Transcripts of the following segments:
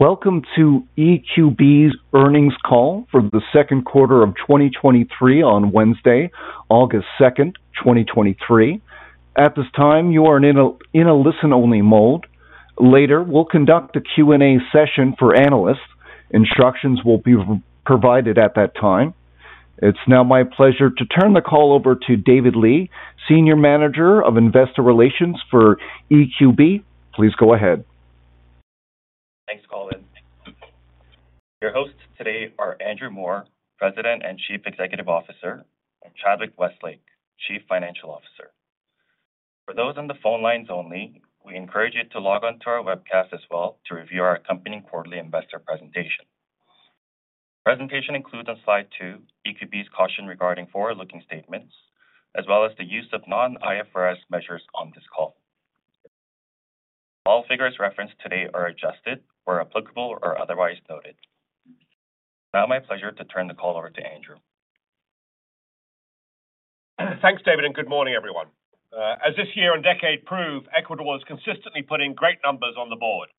Welcome to EQB's Earnings Call for the Second Quarter of 2023 on Wednesday, August 2nd, 2023. At this time, you are in a listen-only mode. Later, we'll conduct a Q&A session for analysts. Instructions will be provided at that time. It's now my pleasure to turn the call over to David Lee, Senior Manager of Investor Relations for EQB. Please go ahead. Thanks, Colin. Your hosts today are Andrew Moor, President and Chief Executive Officer, and Chadwick Westlake, Chief Financial Officer. For those on the phone lines only, we encourage you to log on to our webcast as well to review our company quarterly investor presentation. Presentation includes on slide two, EQB's caution regarding forward-looking statements, as well as the use of non-IFRS measures on this call. All figures referenced today are adjusted where applicable or otherwise noted. It's now my pleasure to turn the call over to Andrew. Thanks, David, and good morning, everyone. As this year and decade prove, EQB is consistently putting great numbers on the board.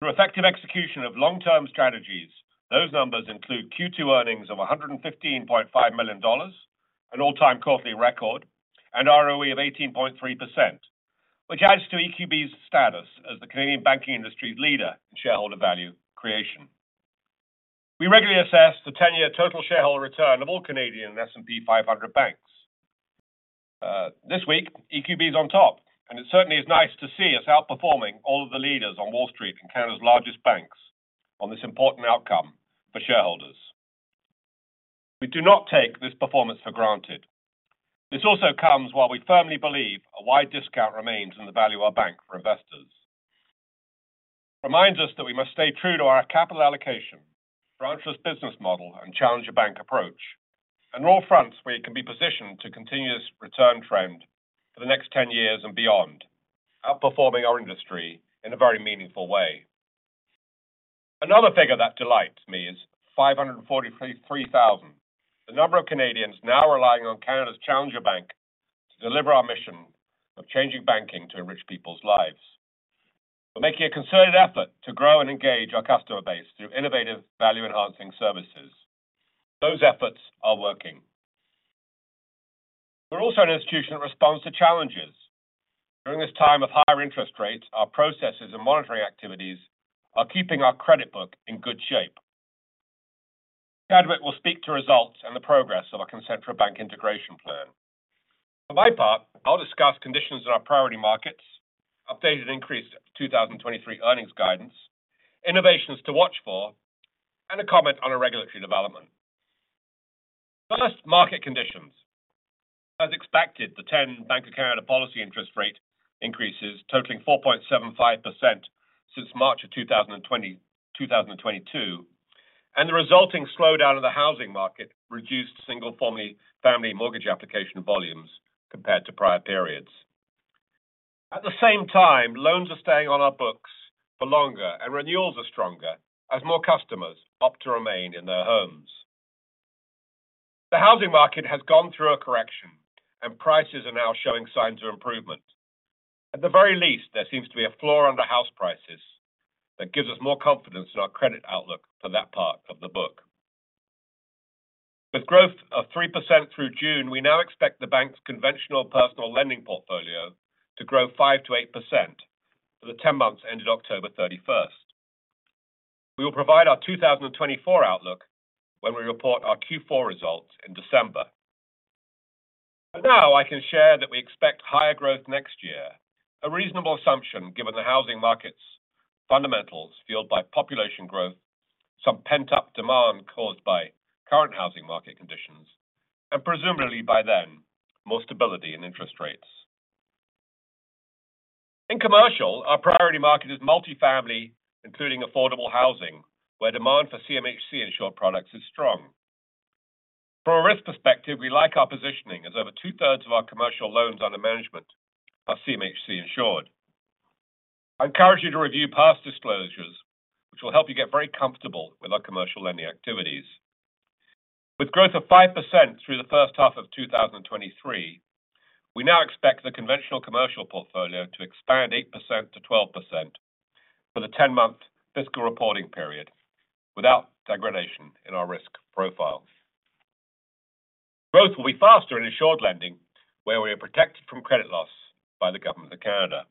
Through effective execution of long-term strategies, those numbers include Q2 earnings of 115.5 million dollars, an all-time quarterly record, and ROE of 18.3%, which adds to EQB's status as the Canadian banking industry's leader in shareholder value creation. We regularly assess the 10-year total shareholder return of all Canadian S&P 500 banks. This week, EQB is on top and it certainly is nice to see us outperforming all of the leaders on Wall Street and Canada's largest banks on this important outcome for shareholders. We do not take this performance for granted. This also comes while we firmly believe a wide discount remains in the value our bank for investors. It reminds us that we must stay true to our capital allocation, branchless business model, and challenge a bank approach. On all fronts, we can be positioned to continue this return trend for the next 10 years and beyond, outperforming our industry in a very meaningful way. Another figure that delights me is 543,000. The number of Canadians now relying on Canada's Challenger Bank to deliver our mission of changing banking to enrich people's lives. We're making a concerted effort to grow and engage our customer base through innovative value-enhancing services. Those efforts are working. We're also an institution that responds to challenges. During this time of higher interest rates, our processes and monitoring activities are keeping our credit book in good shape. Chadwick will speak to results and the progress of our Concentra Bank integration plan. For my part, I'll discuss conditions in our priority markets, updated increased 2023 earnings guidance, innovations to watch for and a comment on a regulatory development. First, market conditions. As expected, the 10 Bank of Canada policy interest rate increases, totaling 4.75% since March of 2022, and the resulting slowdown in the housing market reduced single family, family mortgage application volumes compared to prior periods. At the same time, loans are staying on our books for longer, and renewals are stronger as more customers opt to remain in their homes. The housing market has gone through a correction, and prices are now showing signs of improvement. At the very least, there seems to be a floor under house prices that gives us more confidence in our credit outlook for that part of the book. With growth of 3% through June, we now expect the bank's conventional personal lending portfolio to grow 5%-8% for the 10 months ended October 31st. We will provide our 2024 outlook when we report our Q4 results in December. Now, I can share that we expect higher growth next year, a reasonable assumption given the housing market's fundamentals, fueled by population growth, some pent-up demand caused by current housing market conditions, and presumably by then, more stability in interest rates. In commercial, our priority market is multifamily, including affordable housing, where demand for CMHC insured products is strong. From a risk perspective, we like our positioning as over two-thirds of our commercial loans under management are CMHC insured. I encourage you to review past disclosures, which will help you get very comfortable with our commercial lending activities. With growth of 5% through the first half of 2023, we now expect the conventional commercial portfolio to expand 8%-12% for the 10-month fiscal reporting period without degradation in our risk profiles. Growth will be faster in insured lending, where we are protected from credit loss by the Government of Canada.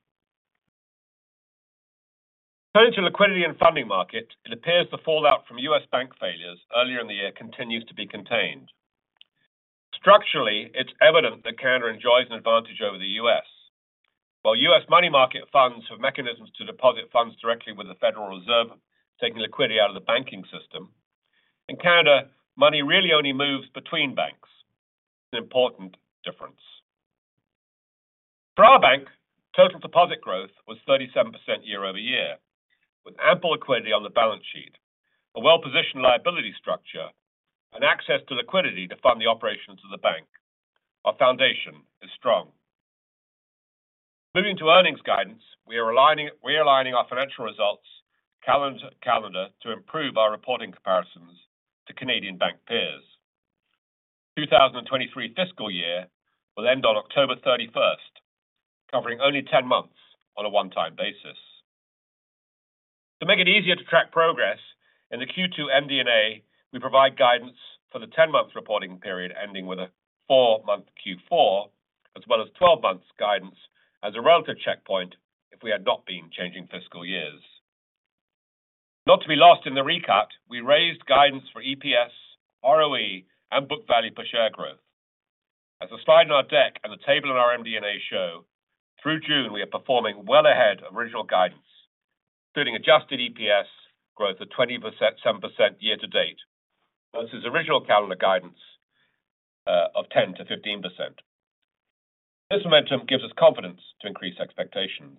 Turning to liquidity and funding market, it appears the fallout from US bank failures earlier in the year continues to be contained. Structurally, it's evident that Canada enjoys an advantage over the U.S. While U.S. money market funds have mechanisms to deposit funds directly with the Federal Reserve, taking liquidity out of the banking system, in Canada, money really only moves between banks. An important difference. For our bank, total deposit growth was 37% year-over-year, with ample liquidity on the balance sheet, a well-positioned liability structure, and access to liquidity to fund the operations of the bank. Our foundation is strong. Moving to earnings guidance, we are realigning our financial results calendar to improve our reporting comparisons to Canadian bank peers. The 2023 fiscal year will end on October 31st, covering only 10 months on a one-time basis. To make it easier to track progress in the Q2 MD&A, we provide guidance for the 10-month reporting period, ending with a 4-month Q4, as well as 12 months guidance as a relative checkpoint if we had not been changing fiscal years. Not to be lost in the recut, we raised guidance for EPS, ROE, and book value per share growth. As the slide in our deck and the table in our MD&A show, through June, we are performing well ahead of original guidance, including adjusted EPS growth of 20%, 7% year-to-date. Versus original calendar guidance, of 10%-15%. This momentum gives us confidence to increase expectations.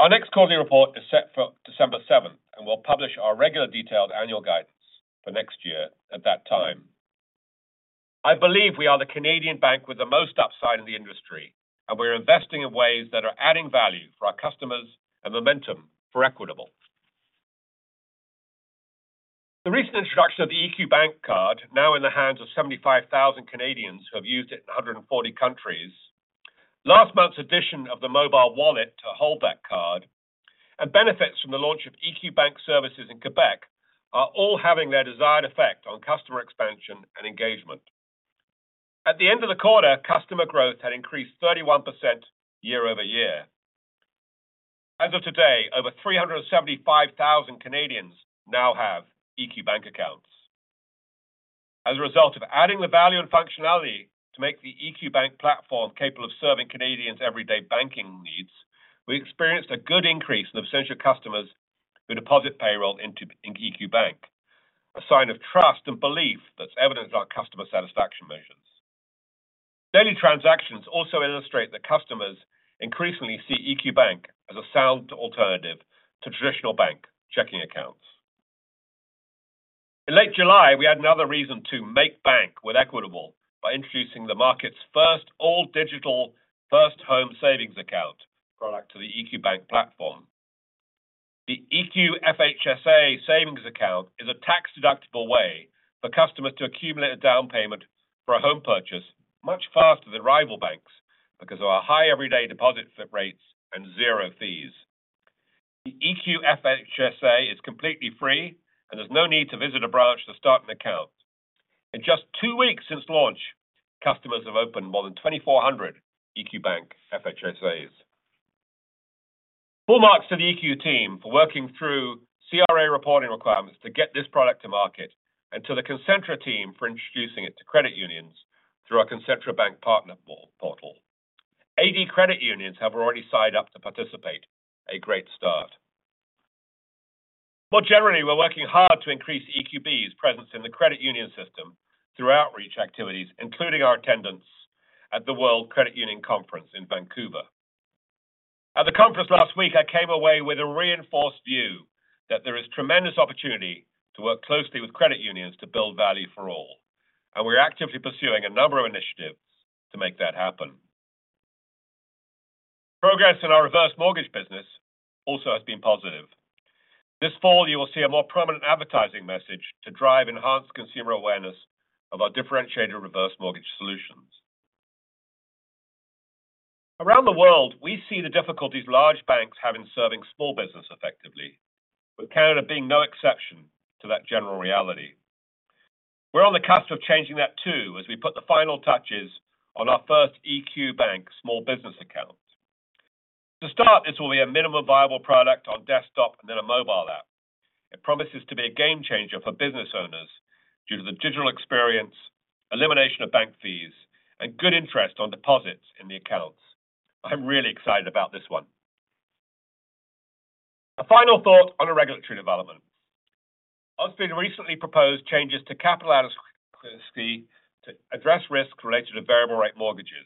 Our next quarterly report is set for December 7th, and we'll publish our regular detailed annual guidance for next year at that time. I believe we are the Canadian bank with the most upside in the industry, and we're investing in ways that are adding value for our customers and momentum for Equitable. The recent introduction of the EQ Bank Card, now in the hands of 75,000 Canadians who have used it in 140 countries, last month's addition of the mobile wallet to hold that card, and benefits from the launch of EQ Bank services in Quebec are all having their desired effect on customer expansion and engagement. At the end of the quarter, customer growth had increased 31% year-over-year. As of today, over 375,000 Canadians now have EQ Bank accounts. As a result of adding the value and functionality to make the EQ Bank platform capable of serving Canadians' everyday banking needs, we experienced a good increase in the essential customers who deposit payroll into, in EQ Bank, a sign of trust and belief that's evidenced our customer satisfaction measures. Daily transactions also illustrate that customers increasingly see EQ Bank as a sound alternative to traditional bank checking accounts. In late July, we had another reason to make bank with Equitable by introducing the market's first all-digital first home savings account product to the EQ Bank platform. The EQ FHSA Savings Account is a tax-deductible way for customers to accumulate a down payment for a home purchase much faster than rival banks because of our high everyday deposit rates and zero fees. The EQ FHSA is completely free, and there's no need to visit a branch to start an account. In just two weeks since launch, customers have opened more than 2,400 EQ Bank FHSAs. Full marks to the EQ team for working through CRA reporting requirements to get this product to market and to the Concentra team for introducing it to credit unions through our Concentra Bank partner portal. 80 credit unions have already signed up to participate. A great start. More generally, we're working hard to increase EQB's presence in the credit union system through outreach activities, including our attendance at the World Credit Union Conference in Vancouver. At the conference last week, I came away with a reinforced view that there is tremendous opportunity to work closely with credit unions to build value for all. We're actively pursuing a number of initiatives to make that happen. Progress in our reverse mortgage business also has been positive. This fall, you will see a more prominent advertising message to drive enhanced consumer awareness of our differentiated reverse mortgage solutions. Around the world, we see the difficulties large banks have in serving small business effectively, with Canada being no exception to that general reality. We're on the cusp of changing that, too, as we put the final touches on our first EQ Bank small business account. To start, this will be a minimum viable product on desktop and then a mobile app. It promises to be a game changer for business owners due to the digital experience, elimination of bank fees, and good interest on deposits in the accounts. I'm really excited about this one. A final thought on a regulatory development. OSFI recently proposed changes to capital adequacy to address risks related to variable-rate mortgages.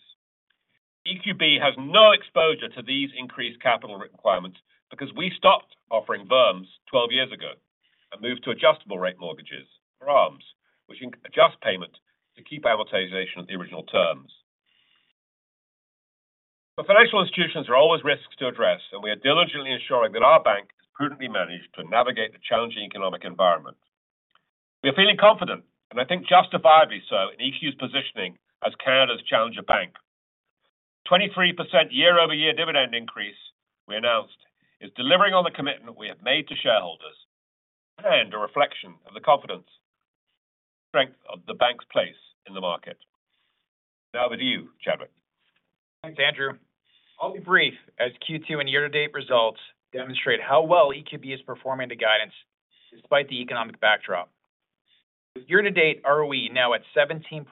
EQB has no exposure to these increased capital requirements because we stopped offering VRMs 12 years ago and moved to adjustable-rate mortgages or ARMs, which adjust payment to keep amortization at the original terms. Financial institutions are always risks to address, and we are diligently ensuring that our bank is prudently managed to navigate the challenging economic environment. We're feeling confident, and I think justifiably so, in EQ's positioning as Canada's Challenger Bank. 23% year-over-year dividend increase we announced is delivering on the commitment we have made to shareholders and a reflection of the confidence, strength of the bank's place in the market. Over to you, Chadwick. Thanks, Andrew. I'll be brief, as Q2 and year-to-date results demonstrate how well EQB is performing to guidance despite the economic backdrop. With year-to-date ROE now at 17.5%,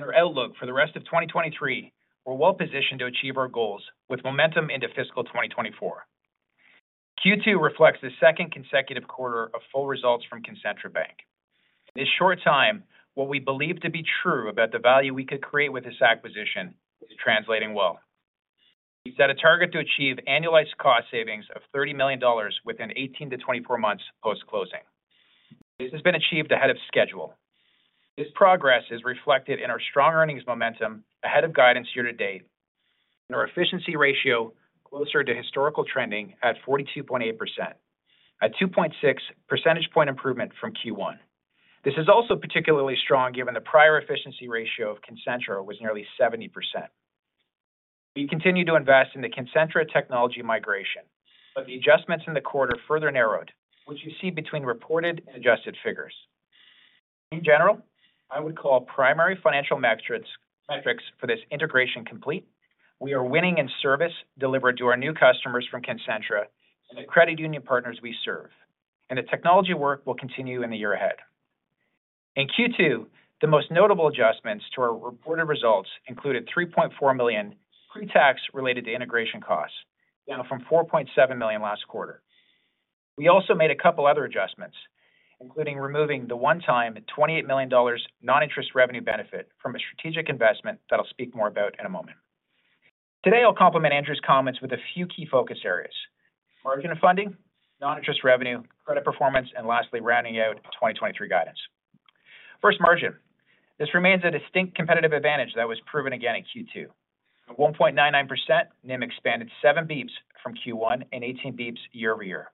our outlook for the rest of 2023, we're well positioned to achieve our goals with momentum into fiscal 2024. Q2 reflects the second consecutive quarter of full results from Concentra Bank. In this short time, what we believe to be true about the value we could create with this acquisition is translating well. We've set a target to achieve annualized cost savings of 30 million dollars within 18-24 months post-closing. This has been achieved ahead of schedule. This progress is reflected in our strong earnings momentum ahead of guidance year to date, our efficiency ratio closer to historical trending at 42.8%, a 2.6 percentage point improvement from Q1. This is also particularly strong, given the prior efficiency ratio of Concentra was nearly 70%. We continue to invest in the Concentra technology migration, the adjustments in the quarter further narrowed, which you see between reported and adjusted figures. In general, I would call primary financial metrics, metrics for this integration complete. We are winning in service delivered to our new customers from Concentra and the credit union partners we serve, the technology work will continue in the year ahead. In Q2, the most notable adjustments to our reported results included 3.4 million pre-tax related to integration costs, down from 4.7 million last quarter. We also made a couple other adjustments, including removing the one-time 28 million dollars non-interest revenue benefit from a strategic investment that I'll speak more about in a moment. Today, I'll complement Andrew's comments with a few key focus areas: margin of funding, non-interest revenue, credit performance and lastly, rounding out 2023 guidance. First, margin. This remains a distinct competitive advantage that was proven again in Q2. At 1.99%, NIM expanded seven basis points from Q1 and 18 basis points year-over-year.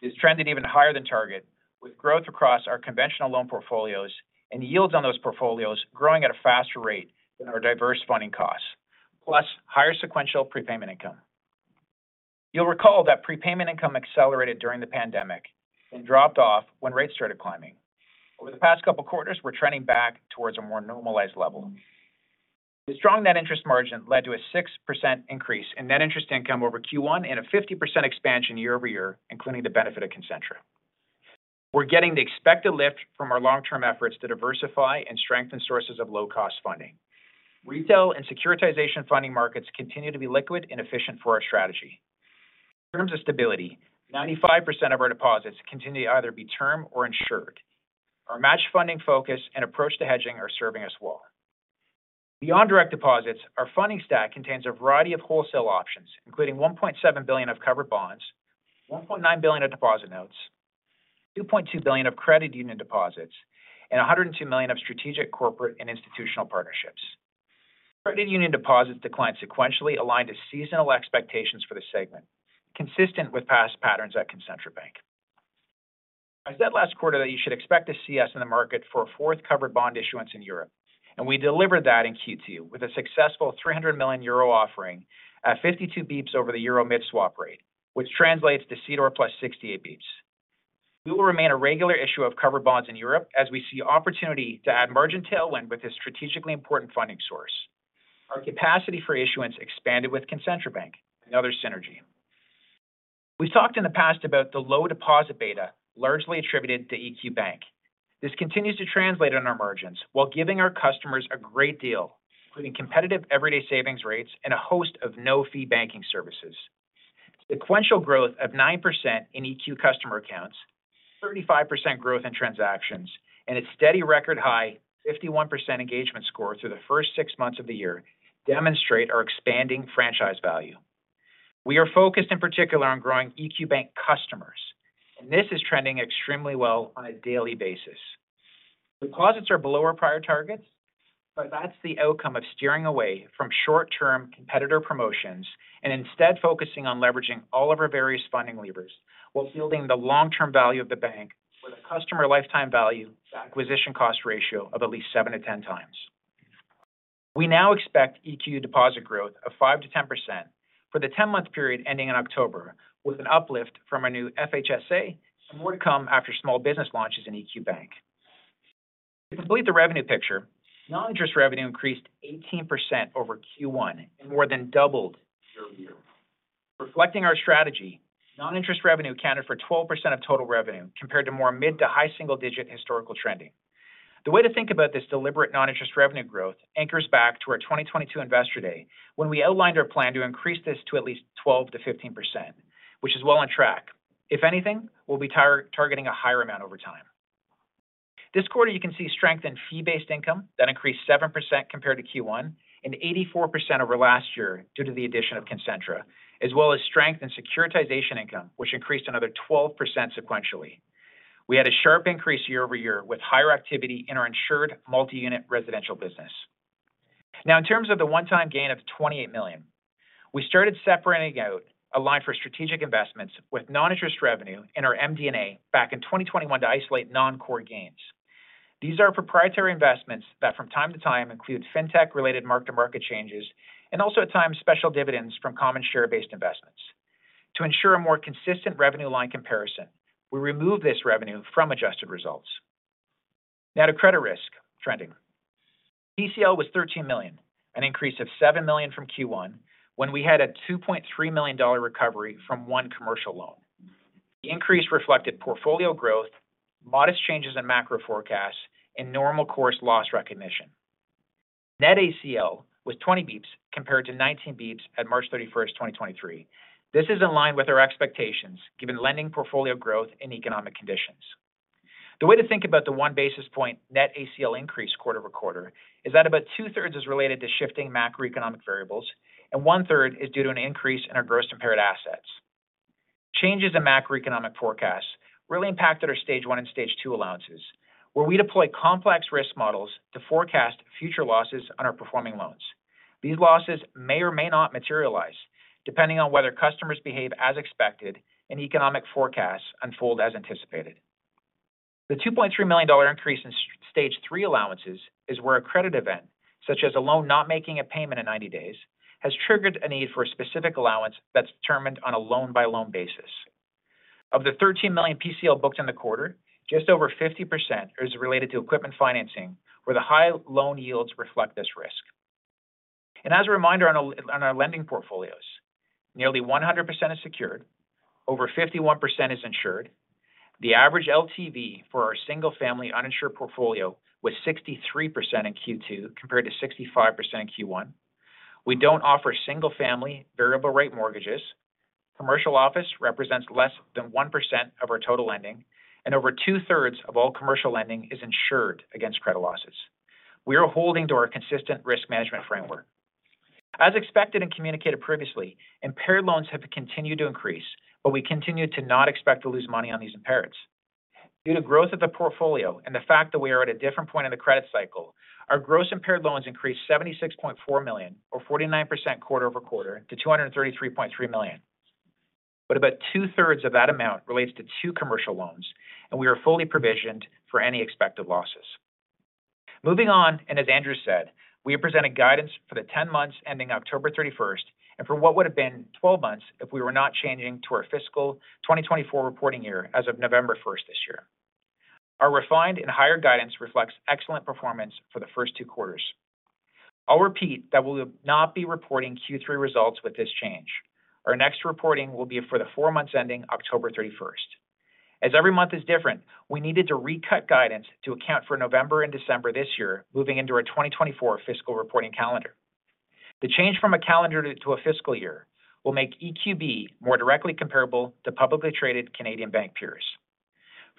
This trended even higher than target, with growth across our conventional loan portfolios and yields on those portfolios growing at a faster rate than our diverse funding costs, plus higher sequential prepayment income. You'll recall that prepayment income accelerated during the pandemic and dropped off when rates started climbing. Over the past couple of quarters, we're trending back towards a more normalized level. The strong net interest margin led to a 6% increase in net interest income over Q1 and a 50% expansion year-over-year, including the benefit of Concentra. We're getting the expected lift from our long-term efforts to diversify and strengthen sources of low-cost funding. Retail and securitization funding markets continue to be liquid and efficient for our strategy. In terms of stability, 95% of our deposits continue to either be term or insured. Our match funding focus and approach to hedging are serving us well. Beyond direct deposits, our funding stack contains a variety of wholesale options, including 1.7 billion of covered bonds, 1.9 billion of deposit notes, 2.2 billion of credit union deposits, and 102 million of strategic corporate and institutional partnerships. Credit union deposits declined sequentially, aligned to seasonal expectations for the segment, consistent with past patterns at Concentra Bank. I said last quarter that you should expect to see us in the market for a fourth covered bond issuance in Europe. We delivered that in Q2 with a successful 300 million euro offering at 52 basis points over the Euro mid-swap rate, which translates to CDOR plus 68 basis points. We will remain a regular issuer of covered bonds in Europe as we see opportunity to add margin tailwind with this strategically important funding source. Our capacity for issuance expanded with Concentra Bank, another synergy. We've talked in the past about the low deposit beta, largely attributed to EQ Bank. This continues to translate on our margins while giving our customers a great deal, including competitive everyday savings rates and a host of no-fee banking services. Sequential growth of 9% in EQ customer accounts, 35% growth in transactions, and its steady record-high 51% engagement score through the first six months of the year demonstrate our expanding franchise value. We are focused in particular on growing EQ Bank customers, this is trending extremely well on a daily basis. Deposits are below our prior targets, but that's the outcome of steering away from short-term competitor promotions and instead focusing on leveraging all of our various funding levers while fielding the long-term value of the bank with a customer lifetime value to acquisition cost ratio of at least seven to 10 times. We now expect EQ deposit growth of 5%-10% for the 10-month period ending in October, with an uplift from our new FHSA and more to come after small business launches in EQ Bank. To complete the revenue picture, non-interest revenue increased 18% over Q1 and more than doubled year-over-year. Reflecting our strategy, non-interest revenue accounted for 12% of total revenue, compared to more mid to high single digit historical trending. The way to think about this deliberate non-interest revenue growth anchors back to our 2022 Investor Day, when we outlined our plan to increase this to at least 12%-15%, which is well on track. If anything, we'll be targeting a higher amount over time. This quarter, you can see strength in fee-based income that increased 7% compared to Q1 and 84% over last year due to the addition of Concentra, as well as strength in securitization income, which increased another 12% sequentially. We had a sharp increase year-over-year, with higher activity in our insured multi-unit residential business. In terms of the one-time gain of 28 million, we started separating out a line for strategic investments with non-interest revenue in our MD&A back in 2021 to isolate non-core gains. These are proprietary investments that from time to time, include fintech-related mark-to-market changes and also at times, special dividends from common share-based investments. To ensure a more consistent revenue line comparison, we remove this revenue from adjusted results. To credit risk trending. PCL was 13 million, an increase of 7 million from Q1, when we had a 2.3 million dollar recovery from 1 commercial loan. The increase reflected portfolio growth, modest changes in macro forecasts, and normal course loss recognition. Net ACL was 20 basis points, compared to 19 basis points at March 31st, 2023. This is in line with our expectations, given lending portfolio growth and economic conditions. The way to think about the one basis point net ACL increase quarter-over-quarter is that about 2/3 is related to shifting macroeconomic variables and one-third is due to an increase in our gross impaired assets. Changes in macroeconomic forecasts really impacted our Stage 1 and Stage 2 allowances, where we deploy complex risk models to forecast future losses on our performing loans. These losses may or may not materialize, depending on whether customers behave as expected and economic forecasts unfold as anticipated. The 2.3 million dollar increase in Stage 3 allowances is where a credit event, such as a loan not making a payment in 90 days, has triggered a need for a specific allowance that's determined on a loan-by-loan basis. Of the 13 million PCL booked in the quarter, just over 50% is related to equipment financing, where the high loan yields reflect this risk. As a reminder on our lending portfolios, nearly 100% is secured, over 51% is insured. The average LTV for our single-family uninsured portfolio was 63% in Q2, compared to 65% in Q1. We don't offer single-family variable rate mortgages. Commercial office represents less than 1% of our total lending, and over 2/3 of all commercial lending is insured against credit losses. We are holding to our consistent risk management framework. As expected and communicated previously, impaired loans have continued to increase, but we continue to not expect to lose money on these impairments. Due to growth of the portfolio and the fact that we are at a different point in the credit cycle, our gross impaired loans increased 76.4 million, or 49% quarter-over-quarter, to 233.3 million. About two-thirds of that amount relates to two commercial loans, and we are fully provisioned for any expected losses. Moving on, and as Andrew said, we are presenting guidance for the 10 months ending October 31st, and for what would have been 12 months if we were not changing to our fiscal 2024 reporting year as of November 1st this year. Our refined and higher guidance reflects excellent performance for the first two quarters. I'll repeat that we will not be reporting Q3 results with this change. Our next reporting will be for the four months ending October 31st. As every month is different, we needed to recut guidance to account for November and December this year, moving into our 2024 fiscal reporting calendar. The change from a calendar to a fiscal year will make EQB more directly comparable to publicly traded Canadian bank peers.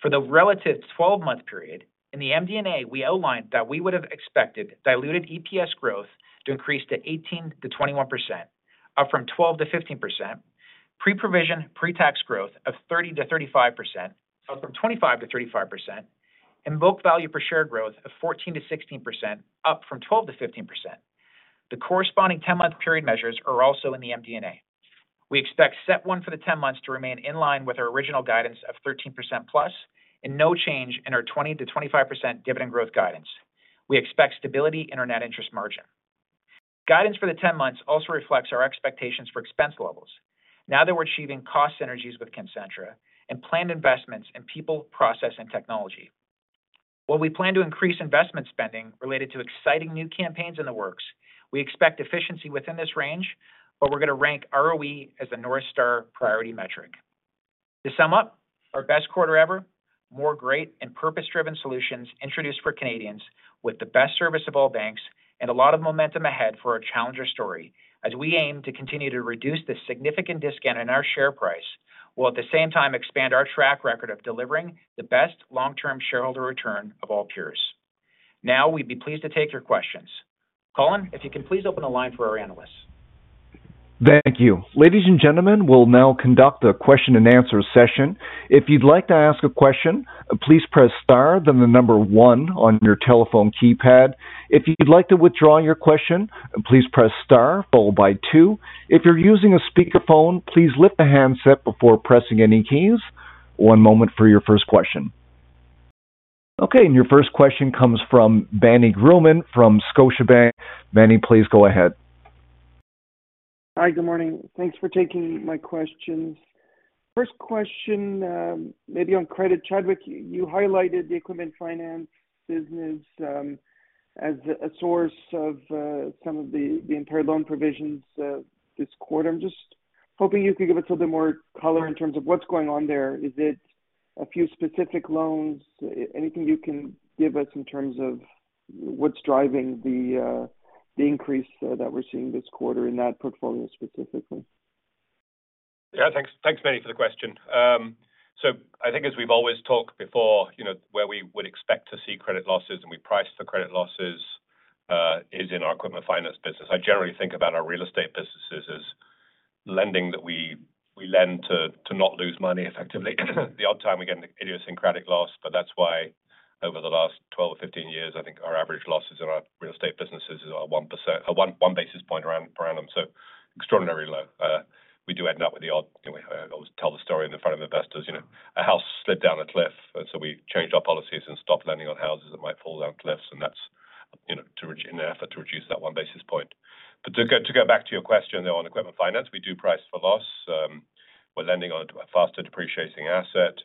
For the relative 12-month period, in the MD&A, we outlined that we would have expected diluted EPS growth to increase to 18%-21%, up from 12%-15%. Pre-provision, pre-tax growth of 30%-35%, up from 25%-35%, and book value per share growth of 14%-16%, up from 12%-15%. The corresponding 10-month period measures are also in the MD&A. We expect CET1 for the 10 months to remain in line with our original guidance of 13%+ and no change in our 20%-25% dividend growth guidance. We expect stability in our net interest margin. Guidance for the 10 months also reflects our expectations for expense levels now that we're achieving cost synergies with Concentra and planned investments in people, process, and technology. While we plan to increase investment spending related to exciting new campaigns in the works, we expect efficiency within this range, but we're going to rank ROE as the North Star priority metric. To sum up, our best quarter ever, more great and purpose-driven solutions introduced for Canadians with the best service of all banks and a lot of momentum ahead for our challenger story as we aim to continue to reduce the significant discount in our share price, while at the same time expand our track record of delivering the best long-term shareholder return of all peers. Now, we'd be pleased to take your questions. Colin, if you can please open the line for our analysts. Thank you. Ladies and gentlemen, we'll now conduct a question-and-answer session. If you'd like to ask a question, please press star, then one on your telephone keypad. If you'd like to withdraw your question, please press star followed by two. If you're using a speakerphone, please lift the handset before pressing any keys. One moment for your first question. Okay, your first question comes from Meny Grauman from Scotiabank. Meny, please go ahead. Hi, good morning. Thanks for taking my questions. First question, maybe on credit. Chadwick, you highlighted the equipment finance business, as a source of, some of the impaired loan provisions this quarter. I'm just hoping you could give us a little bit more color in terms of what's going on there. Is it a few specific loans? Anything you can give us in terms of what's driving the increase, that we're seeing this quarter in that portfolio specifically? Yeah. Thanks, thanks, Meny, for the question. I think as we've always talked before, you know, where we would expect to see credit losses and we price the credit losses, is in our equipment finance business. I generally think about our real estate businesses as lending that we lend to not lose money effectively. The odd time we get an idiosyncratic loss, but that's why over the last 12 or 15 years, I think our average losses in our real estate businesses is our 1%, 1 basis point around per annum. Extraordinarily low. We do end up with the odd. I always tell the story in front of investors, you know, a house slid down a cliff, so we changed our policies and stopped lending on houses that might fall down cliffs, and that's, you know, in an effort to reduce that 1 basis point. To go back to your question, though, on equipment finance, we do price for loss. We're lending on a faster depreciating asset,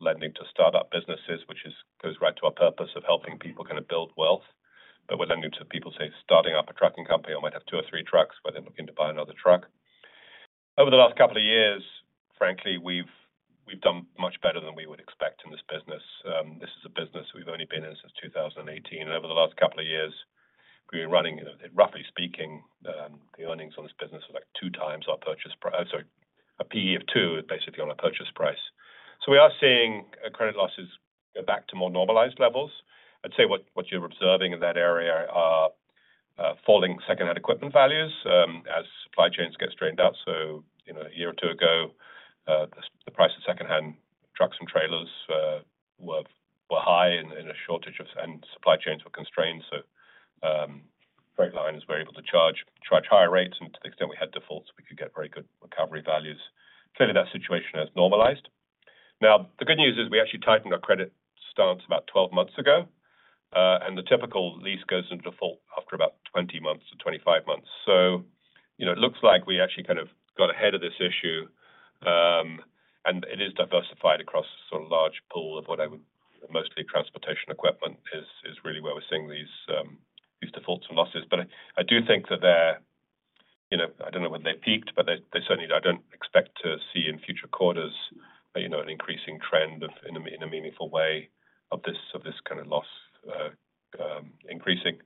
lending to startup businesses, which goes right to our purpose of helping people kind of build wealth. We're lending to people, say, starting up a trucking company or might have two or three trucks, where they're looking to buy another truck. Over the last couple of years, frankly, we've done much better than we would expect in this business. This is a business we've only been in since 2018, and over the last couple of years, we've been running, roughly speaking, the earnings on this business is like two times our purchase price. Sorry, a PE of two is basically on a purchase price. We are seeing credit losses go back to more normalized levels. I'd say what, what you're observing in that area are falling secondhand equipment values, as supply chains get straightened out. You know, a year or two years ago the price of secondhand trucks and trailers, were high and in a shortage of and supply chains were constrained. Freight lines were able to charge higher rates, and to the extent we had defaults, we could get very good recovery values. Clearly, that situation has normalized. The good news is we actually tightened our credit stance about 12 months ago, and the typical lease goes into default after about 20 months to 25 months. You know, it looks like we actually kind of got ahead of this issue, and it is diversified across a sort of large pool of mostly transportation equipment is, is really where we're seeing these defaults and losses. I do think that they're, you know, I don't know whether they peaked, but they, they certainly I don't expect to see in future quarters, you know, an increasing trend in a meaningful way of this kind of loss increasing.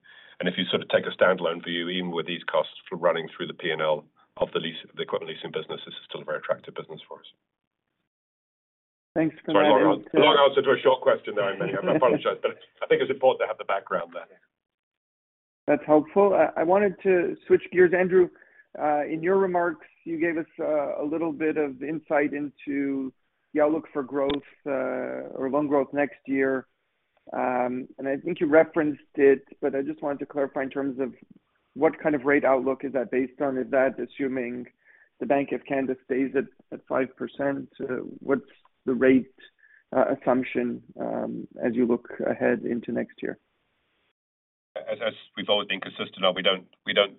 If you sort of take a standalone view, even with these costs running through the P&L of the lease, the equipment leasing business, this is still a very attractive business for us. Thanks for- Sorry, long answer. A long answer to a short question there, Manny. I apologize, but I think it's important to have the background there. That's helpful. I, I wanted to switch gears, Andrew. In your remarks, you gave us a little bit of insight into the outlook for growth, or loan growth next year. I think you referenced it, but I just wanted to clarify in terms of what kind of rate outlook is that based on? Is that assuming the Bank of Canada stays at 5%? What's the rate assumption as you look ahead into next year? As we've always been consistent on we don't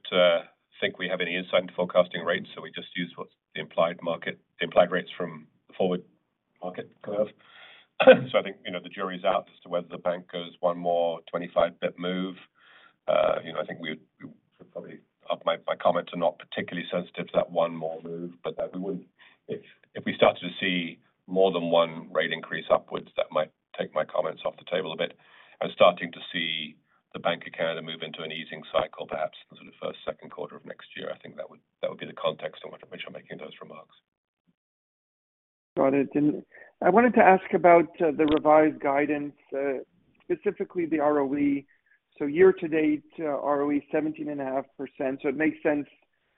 think we have any insight into forecasting rates, so we just use what's the implied market, the implied rates from the forward market curve. I think, you know, the jury's out as to whether the Bank of Canada goes one more 25 pip move. You know, I think we would probably. My comments are not particularly sensitive to that one more move, but that we wouldn't if we started to see more than one rate increase upwards, that might take my comments off the table a bit. I'm starting to see the Bank of Canada move into an easing cycle, perhaps in the sort of first, second quarter of next year. I think that would, that would be the context in which I'm making those remarks. Got it. I wanted to ask about the revised guidance, specifically the ROE. Year-to-date, ROE is 17.5%, so it makes sense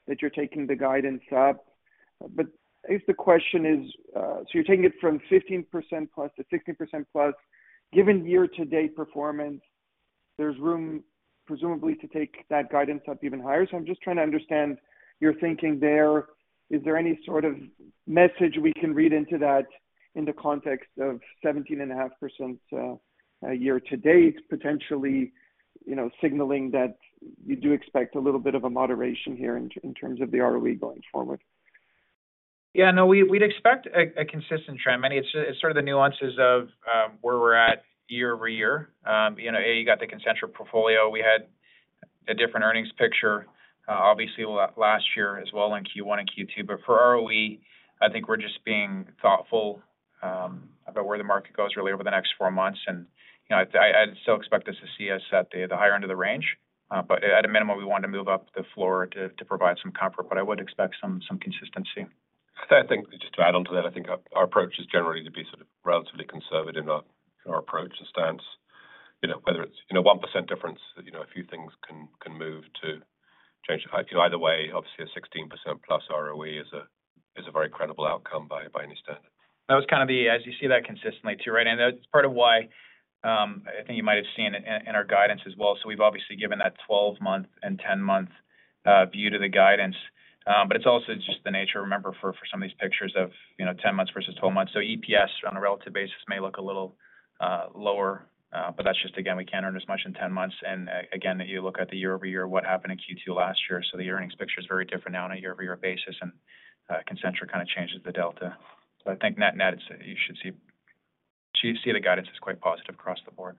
that you're taking the guidance up. I guess the question is, so you're taking it from 15%+ to 16%+. Given year-to-date performance, there's room, presumably, to take that guidance up even higher. I'm just trying to understand your thinking there. Is there any sort of message we can read into that in the context of 17.5% year-to-date, potentially, you know, signaling that you do expect a little bit of a moderation here in terms of the ROE going forward? Yeah. No, we'd expect a consistent trend, Meny. It's just, it's sort of the nuances of where we're at year-over-year. You know, A, you got the Concentra portfolio. We had a different earnings picture, obviously last year as well in Q1 and Q2. For ROE, I think we're just being thoughtful about where the market goes really over the next four months. You know, I'd still expect us to see us at the higher end of the range. At a minimum, we want to move up the floor to provide some comfort. I would expect some consistency. I think just to add on to that, I think our, our approach is generally to be sort of relatively conservative in our, our approach and stance. You know, whether it's in a 1% difference, you know, a few things can, can move to change the high. Either way, obviously, a 16% plus ROE is a very credible outcome by any standard. That was kind of the as you see that consistently too, right? That's part of why, I think you might have seen in our guidance as well. We've obviously given that 12-month and 10-month view to the guidance. But it's also just the nature, remember, for some of these pictures of, you know, 10 months versus 12 months. EPS on a relative basis may look a little lower, but that's just, again, we can't earn as much in 10 months. Again, you look at the year-over-year, what happened in Q2 last year. The earnings picture is very different now on a year-over-year basis, and Concentra kind of changes the delta. I think net-net, you should see, see the guidance is quite positive across the board.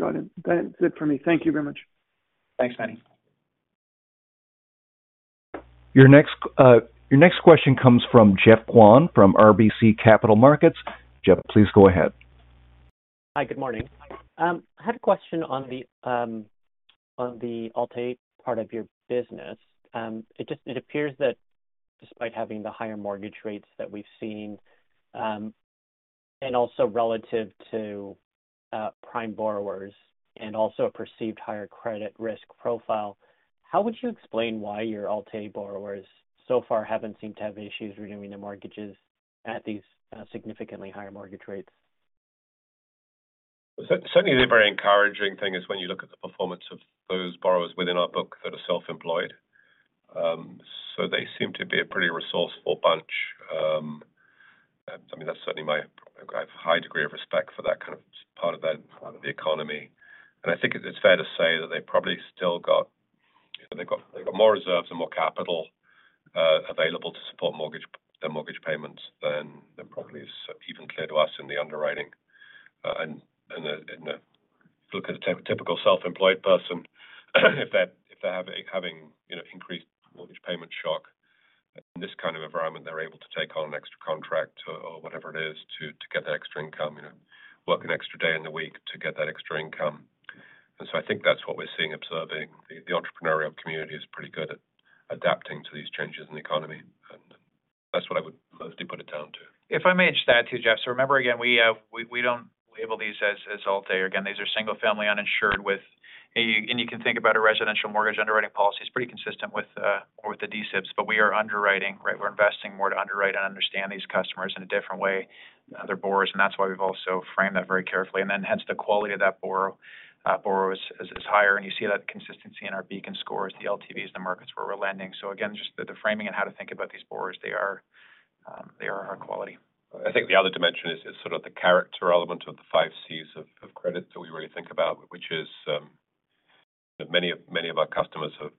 Got it. That's it for me. Thank you very much. Thanks, Meny. Your next, your next question comes from Geoffrey Kwan, from RBC Capital Markets. Geoff, please go ahead. Hi, good morning. I had a question on the Alt-A part of your business. It just, it appears that despite having the higher mortgage rates that we've seen, and also relative to, prime borrowers and also a perceived higher credit risk profile, how would you explain why your Alt-A borrowers so far haven't seemed to have issues renewing their mortgages at these, significantly higher mortgage rates? Certainly, the very encouraging thing is when you look at the performance of those borrowers within our book that are self-employed. They seem to be a pretty resourceful bunch, I mean, that's certainly my I have a high degree of respect for that kind of, part of that, part of the economy. I think it's fair to say that they've probably still got, they've got more reserves and more capital available to support mortgage, their mortgage payments than, than probably is even clear to us in the underwriting. Look at the typical self-employed person, if they're having, you know, increased mortgage payment shock in this kind of environment, they're able to take on an extra contract or whatever it is to get that extra income, you know, work an extra day in the week to get that extra income. I think that's what we're seeing, observing. The entrepreneurial community is pretty good at adapting to these changes in the economy. That's what I would mostly put it down to. If I may add to that too, Geoff. Remember again, we don't label these as Alt-A. Again, these are single-family uninsured with and you can think about a residential mortgage underwriting policy is pretty consistent with the D-SIBs, but we are underwriting, right? We're investing more to underwrite and understand these customers in a different way, other borrowers, that's why we've also framed that very carefully. Then hence the quality of that borrower is higher, and you see that consistency in our Beacon scores, the LTVs, the markets where we're lending. Again, just the framing and how to think about these borrowers, they are high quality. I think the other dimension is, is sort of the character element of the five Cs of credit that we really think about, which is, many of our customers have,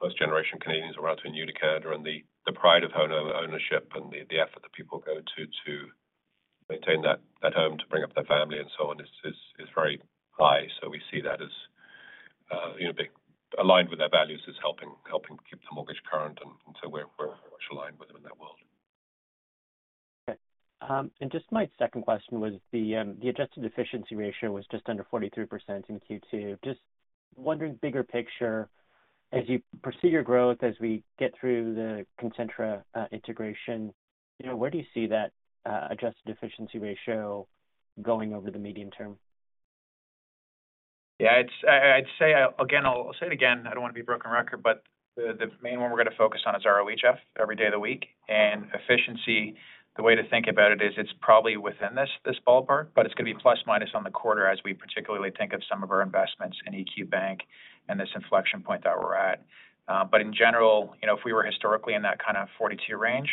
first-generation Canadians around to new to Canada and the pride of home ownership and the effort that people go to maintain that home, to bring up their family and so on is very high. We see that as, you know, being aligned with their values is helping keep the mortgage current, and so we're much aligned with them in that world. Okay, and just my second question was the adjusted efficiency ratio was just under 43% in Q2. Just wondering, bigger picture, as you pursue your growth, as we get through the Concentra integration, you know, where do you see that adjusted efficiency ratio going over the medium term? Yeah, I'd say, again, I'll say it again, I don't want to be a broken record, but the, the main one we're going to focus on is ROE, Geoff, every day of the week. Efficiency, the way to think about it is it's probably within this, this ballpark, but it's going to be ± on the quarter as we particularly think of some of our investments in EQ Bank and this inflection point that we're at. In general, you know, if we were historically in that kind of 42 range,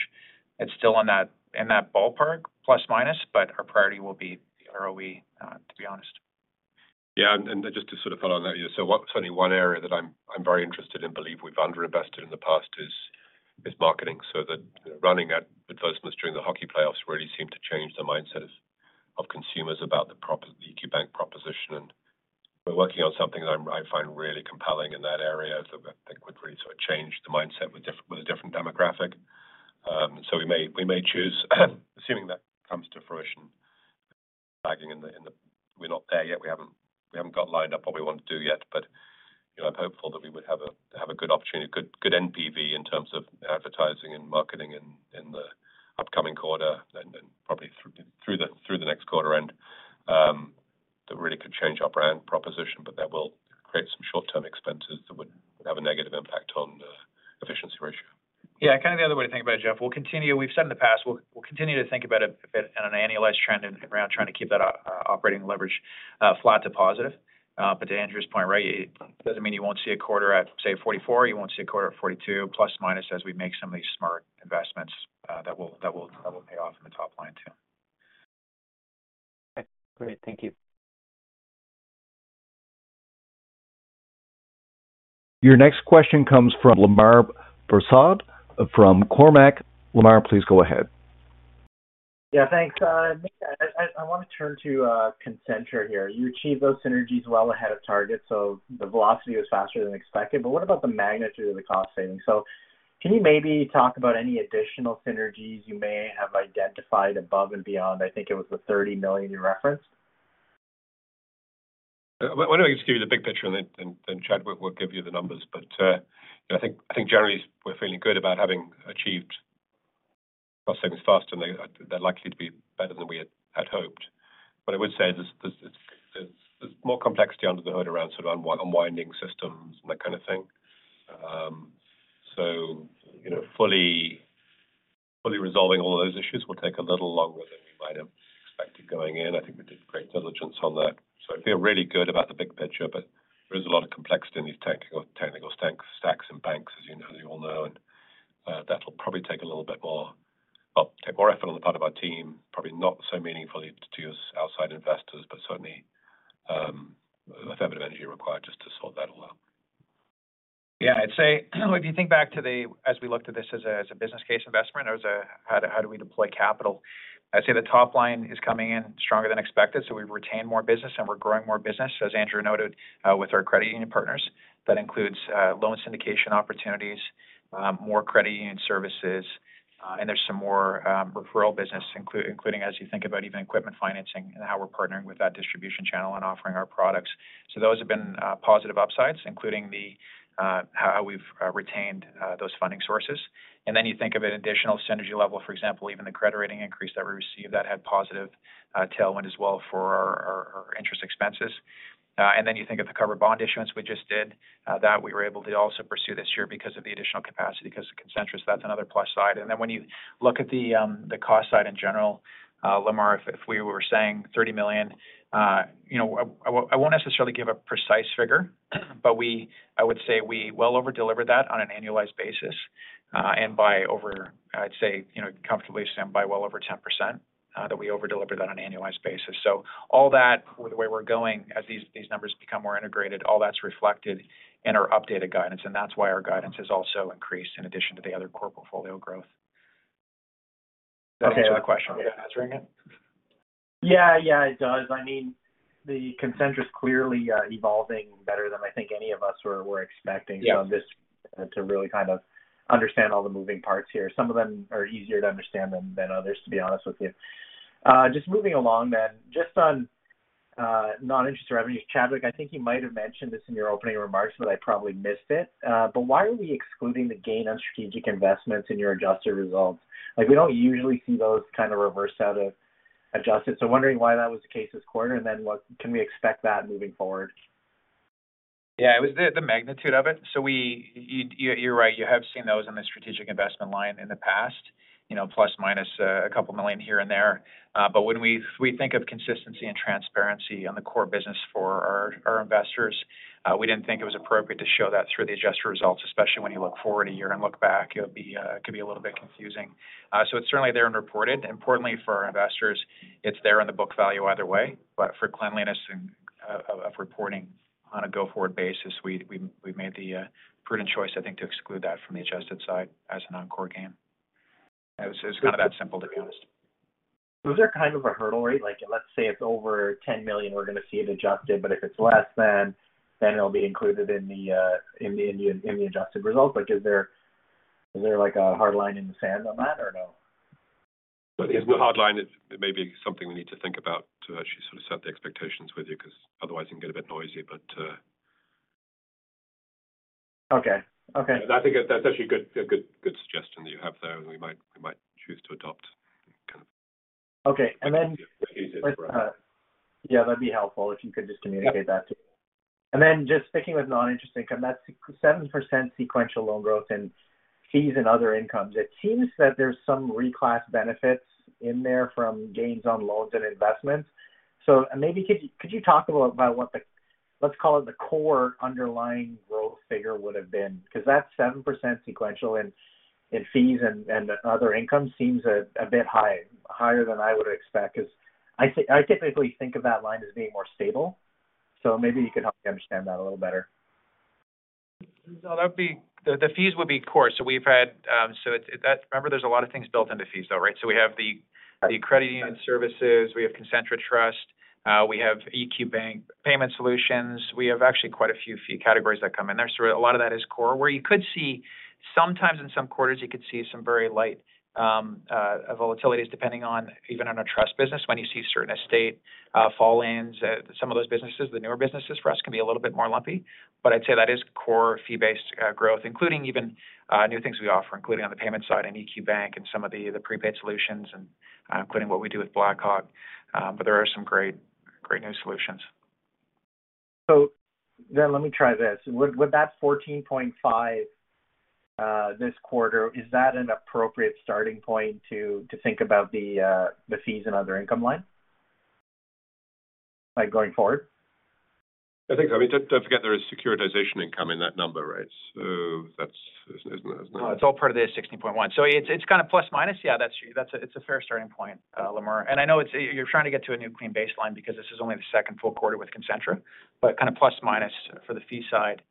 it's still on that, in that ballpark, ± but our priority will be the ROE, to be honest. Yeah, and just to sort of follow on that, so what's only one area that I'm very interested in believe we've underinvested in the past is marketing. The running advertisements during the hockey playoffs really seemed to change the mindsets of consumers about the EQ Bank proposition, and we're working on something that I'm, I find really compelling in that area that could really sort of change the mindset with a different demographic. We may choose assuming that comes to fruition, lagging. We're not there yet. We haven't got lined up what we want to do yet, but, you know, I'm hopeful that we would have a, have a good opportunity good NPV in terms of advertising and marketing in the upcoming quarter and then probably through the next quarter. That really could change our brand proposition, but that will create some short-term expenses that would have a negative impact on the efficiency ratio. Yeah, kind of the other way to think about it, Geoff, we've said in the past, we'll continue to think about it at an annualized trend and around trying to keep that operating leverage flat to positive. To Andrew's point, right, it doesn't mean you won't see a quarter at say, 44, you won't see a quarter at 42± as we make some of these smart investments that will pay off in the top line too. Great. Thank you. Your next question comes from Lemar Persaud from Cormark Securities. Lemar, please go ahead. Yeah, thanks. I want to turn to Concentra here. You achieved those synergies well ahead of target, so the velocity was faster than expected, but what about the magnitude of the cost savings? Can you maybe talk about any additional synergies you may have identified above and beyond? I think it was the 30 million you referenced. Why don't I just give you the big picture and then, and then Chad will, will give you the numbers. I think generally we're feeling good about having achieved cost savings faster, and they're likely to be better than we had hoped. I would say there's more complexity under the hood around sort of unwinding systems and that kind of thing. You know, fully resolving all of those issues will take a little longer than we might have expected going in. I think we did great diligence on that. I feel really good about the big picture, but there is a lot of complexity in these technical stacks in banks, as you all know, and that'll probably take a little bit more, well, take more effort on the part of our team. Probably not so meaningfully to you as outside investors, but certainly a fair bit of energy required just to sort that all out. Yeah, I'd say, if you think back today, as we looked at this as a business case investment or as a how do we deploy capital, I'd say the top line is coming in stronger than expected, so we've retained more business and we're growing more business, as Andrew noted, with our credit union partners. That includes loan syndication opportunities, more credit union services, and there's some more referral business, including as you think about even equipment financing and how we're partnering with that distribution channel and offering our products. Those have been positive upsides, including the how we've retained those funding sources. You think of an additional synergy level, for example, even the credit rating increase that we received, that had positive tailwind as well for our interest expenses. You think of the covered bond issuance we just did, that we were able to also pursue this year because of the additional capacity, because of Concentra, that's another plus side. When you look at the cost side in general, Lemar, if we were saying 30 million, you know, I won't necessarily give a precise figure, but I would say we well over-delivered that on an annualized basis, and by over, I'd say, you know, comfortably stand by well over 10%, that we over-delivered that on an annualized basis. All that, with the way we're going, as these numbers become more integrated, all that's reflected in our updated guidance, and that's why our guidance has also increased in addition to the other core portfolio growth. Does that answer your question? Am I answering it? Yeah. Yeah, it does. I mean, the Concentra is clearly evolving better than I think any of us were, were expecting. I'm just to really kind of understand all the moving parts here. Some of them are easier to understand than, than others, to be honest with you. Just moving along then, just on non-interest revenues. Chadwick, I think you might have mentioned this in your opening remarks, but I probably missed it. Why are we excluding the gain on strategic investments in your adjusted results? Like, we don't usually see those kind of reversed out of adjusted. Wondering why that was the case this quarter, and then can we expect that moving forward? It was the, the magnitude of it. You're right, you have seen those in the strategic investment line in the past, you know, ±2 million here and there. When we, we think of consistency and transparency on the core business for our investors, we didn't think it was appropriate to show that through the adjusted results, especially when you look forward a year and look back, it would be, it could be a little bit confusing. It's certainly there and reported. Importantly for our investors, it's there in the book value either way, but for cleanliness and of reporting on a go-forward basis, we've made the prudent choice, I think, to exclude that from the adjusted side as a non-core gain. It's kind of that simple, to be honest. Is there kind of a hurdle rate? Like, let's say it's over $10 million, we're gonna see it adjusted, but if it's less, then, then it'll be included in the, in the, in the, in the adjusted results. Like, is there a hard line in the sand on that or no? Well, there's no hard line. It, it may be something we need to think about to actually sort of set the expectations with you, 'cause otherwise it can get a bit noisy, but, Okay. Okay. I think that's actually a good, good suggestion that you have there, and we might, we might choose to adopt kind of... Okay, then- It's easier for us. Yeah, that'd be helpful if you could just communicate that. Yeah. Then just sticking with non-interest income, that's 7% sequential loan growth in fees and other incomes. It seems that there's some reclass benefits in there from gains on loans and investments. Maybe could you, could you talk a little about what the, let's call it, the core underlying growth figure would have been? That 7% sequential in, in fees and, and other income seems a, a bit high, higher than I would expect. 'Cause I see, I typically think of that line as being more stable. Maybe you could help me understand that a little better. That would be. The fees would be core. We've had. Remember, there's a lot of things built into fees, though, right? We have the credit union services, we have Concentra Trust, we have EQ Bank Payment Solutions. We have actually quite a few, few categories that come in there. A lot of that is core, where you could see, sometimes in some quarters, you could see some very light volatilities, depending on even on our trust business, when you see certain estate fall ins. Some of those businesses, the newer businesses for us, can be a little bit more lumpy. I'd say that is core fee-based growth, including even new things we offer, including on the payment side and EQ Bank and some of the, the prepaid solutions, and including what we do with Blackhawk. There are some great, great new solutions. Let me try this. Would with that 14.5 this quarter, is that an appropriate starting point to think about the fees and other income line, like going forward? I think, I mean, don't forget there is securitization income in that number, right? That's, it's not... It's all part of the 16.1. So it's, it's kind of ±. Yeah, t's a fair starting point, Lemar. And I know it's you're trying to get to a new clean baseline because this is only the second full quarter with Concentra, but kind of ± for the fee side.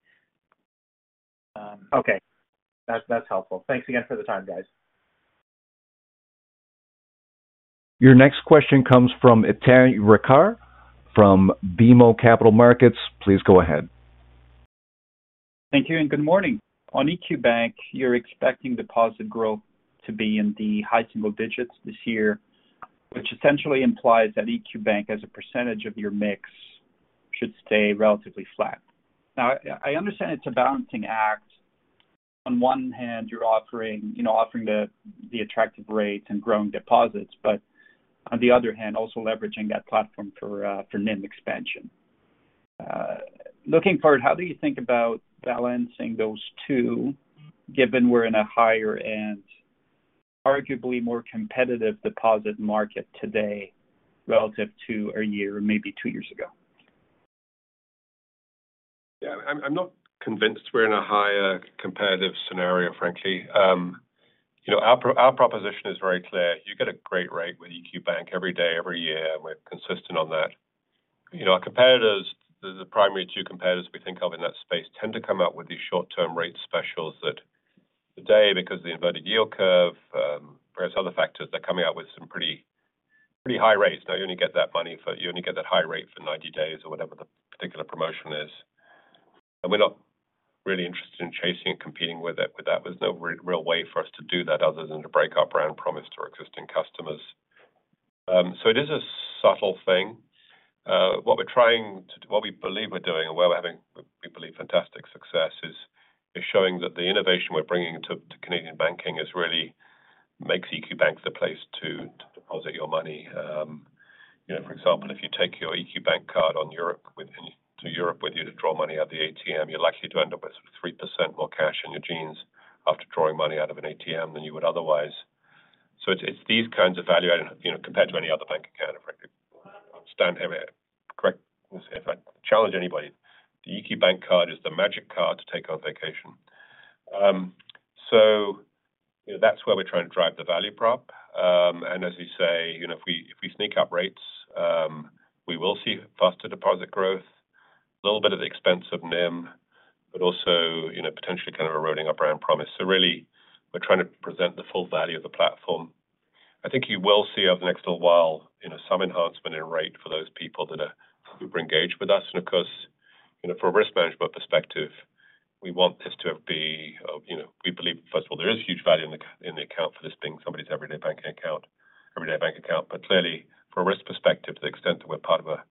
Okay. That's, that's helpful. Thanks again for the time, guys. Your next question comes from Étienne Ricard, from BMO Capital Markets. Please go ahead. Thank you. Good morning. On EQ Bank, you're expecting deposit growth to be in the high single digits this year, which essentially implies that EQ Bank, as a percentage of your mix, should stay relatively flat. I, I understand it's a balancing act. On one hand, you're offering, you know, offering the, the attractive rate and growing deposits, but on the other hand, also leveraging that platform for NIM expansion. Looking forward, how do you think about balancing those two, given we're in a higher and arguably more competitive deposit market today relative to a year or maybe two years ago? Yeah, I'm not convinced we're in a higher competitive scenario, frankly. You know, our proposition is very clear. You get a great rate with EQ Bank every day, every year, and we're consistent on that. You know, our competitors, the primary two competitors we think of in that space, tend to come out with these short-term rate specials that today, because of the inverted yield curve, various other factors, they're coming out with some pretty high rates. Now, you only get that high rate for 90 days or whatever the particular promotion is. We're not really interested in chasing and competing with it, with that. There's no real way for us to do that other than to break our brand promise to our existing customers. It is a subtle thing. What we're trying to do, what we believe we're doing and where we're having, we believe, fantastic success is showing that the innovation we're bringing to Canadian banking really makes EQ Bank the place to deposit your money. You know, for example, if you take your EQ Bank Card on Europe with, to Europe with you to draw money at the ATM, you're likely to end up with 3% more cash in your jeans after drawing money out of an ATM than you would otherwise. It's these kinds of value-added, you know, compared to any other bank account, frankly. I stand correct if I challenge anybody, the EQ Bank Card is the magic card to take on vacation. You know, that's where we're trying to drive the value prop. As we say, you know, if we sneak up rates, we will see faster deposit growth, a little bit at the expense of NIM, but also, you know, potentially kind of eroding our brand promise. Really, we're trying to present the full value of the platform. I think you will see over the next little while, you know, some enhancement in rate for those people that are super engaged with us, and of course, you know, from a risk management perspective, we want this to be, you know, we believe, first of all, there is huge value in the, in the account for this being somebody's everyday banking account, everyday bank account. Clearly, from a risk perspective, to the extent that we're part of a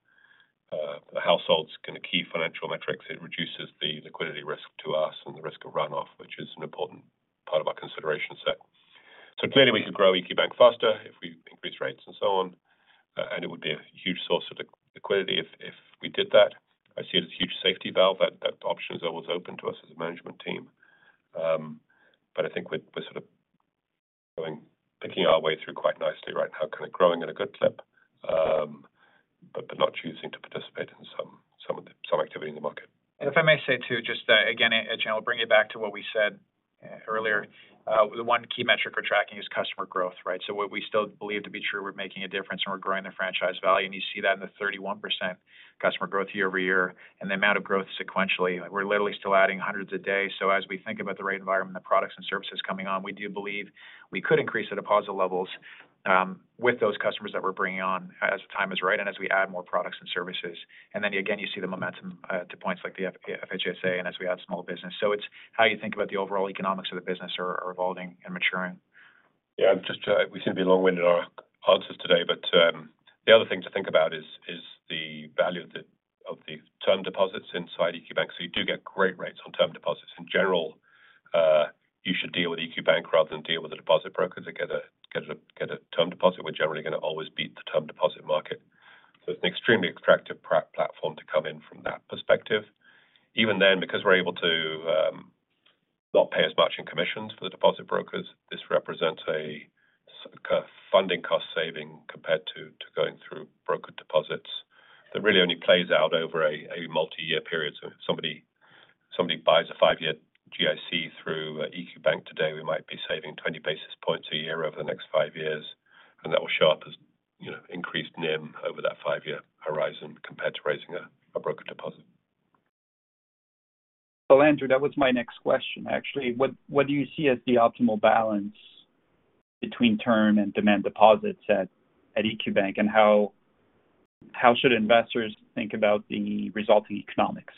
household's kind of key financial metrics, it reduces the liquidity risk to us and the risk of runoff, which is an important part of our consideration set. Clearly, we could grow EQ Bank faster if we increase rates and so on, and it would be a huge source of liquidity if we did that. I see it as a huge safety valve. That, that option is always open to us as a management team. I think we're sort of going, picking our way through quite nicely right now, kind of growing at a good clip, but, but not choosing to participate in some activity in the market. If I may say, too, just again, and I'll bring it back to what we said earlier. The one key metric we're tracking is customer growth, right? What we still believe to be true, we're making a difference, and we're growing the franchise value, and you see that in the 31% customer growth year-over-year and the amount of growth sequentially. We're literally still adding hundreds a day. As we think about the rate environment, the products and services coming on, we do believe we could increase the deposit levels with those customers that we're bringing on as the time is right and as we add more products and services. Then again, you see the momentum to points like the FHSA and as we add small business. It's how you think about the overall economics of the business are, are evolving and maturing. Just, we seem to be long-winded in our answers today, but the other thing to think about is the value of the term deposits inside EQ Bank. You do get great rates on term deposits. In general, you should deal with EQ Bank rather than deal with a deposit broker to get a term deposit. We're generally gonna always beat the term deposit market. It's an extremely attractive platform to come in from that perspective. Even then, because we're able to not pay as much in commissions for the deposit brokers, this represents a kind of funding cost saving compared to going through broker deposits that really only plays out over a multi-year period. If somebody, somebody buys a five-year GIC through EQ Bank today, we might be saving 20 basis points a year over the next five years, and that will show up as, you know, increased NIM over that five-year horizon compared to raising a, a broker deposit. Well, Andrew, that was my next question, actually. What, what do you see as the optimal balance between term and demand deposits at, at EQ Bank, and how, how should investors think about the resulting economics?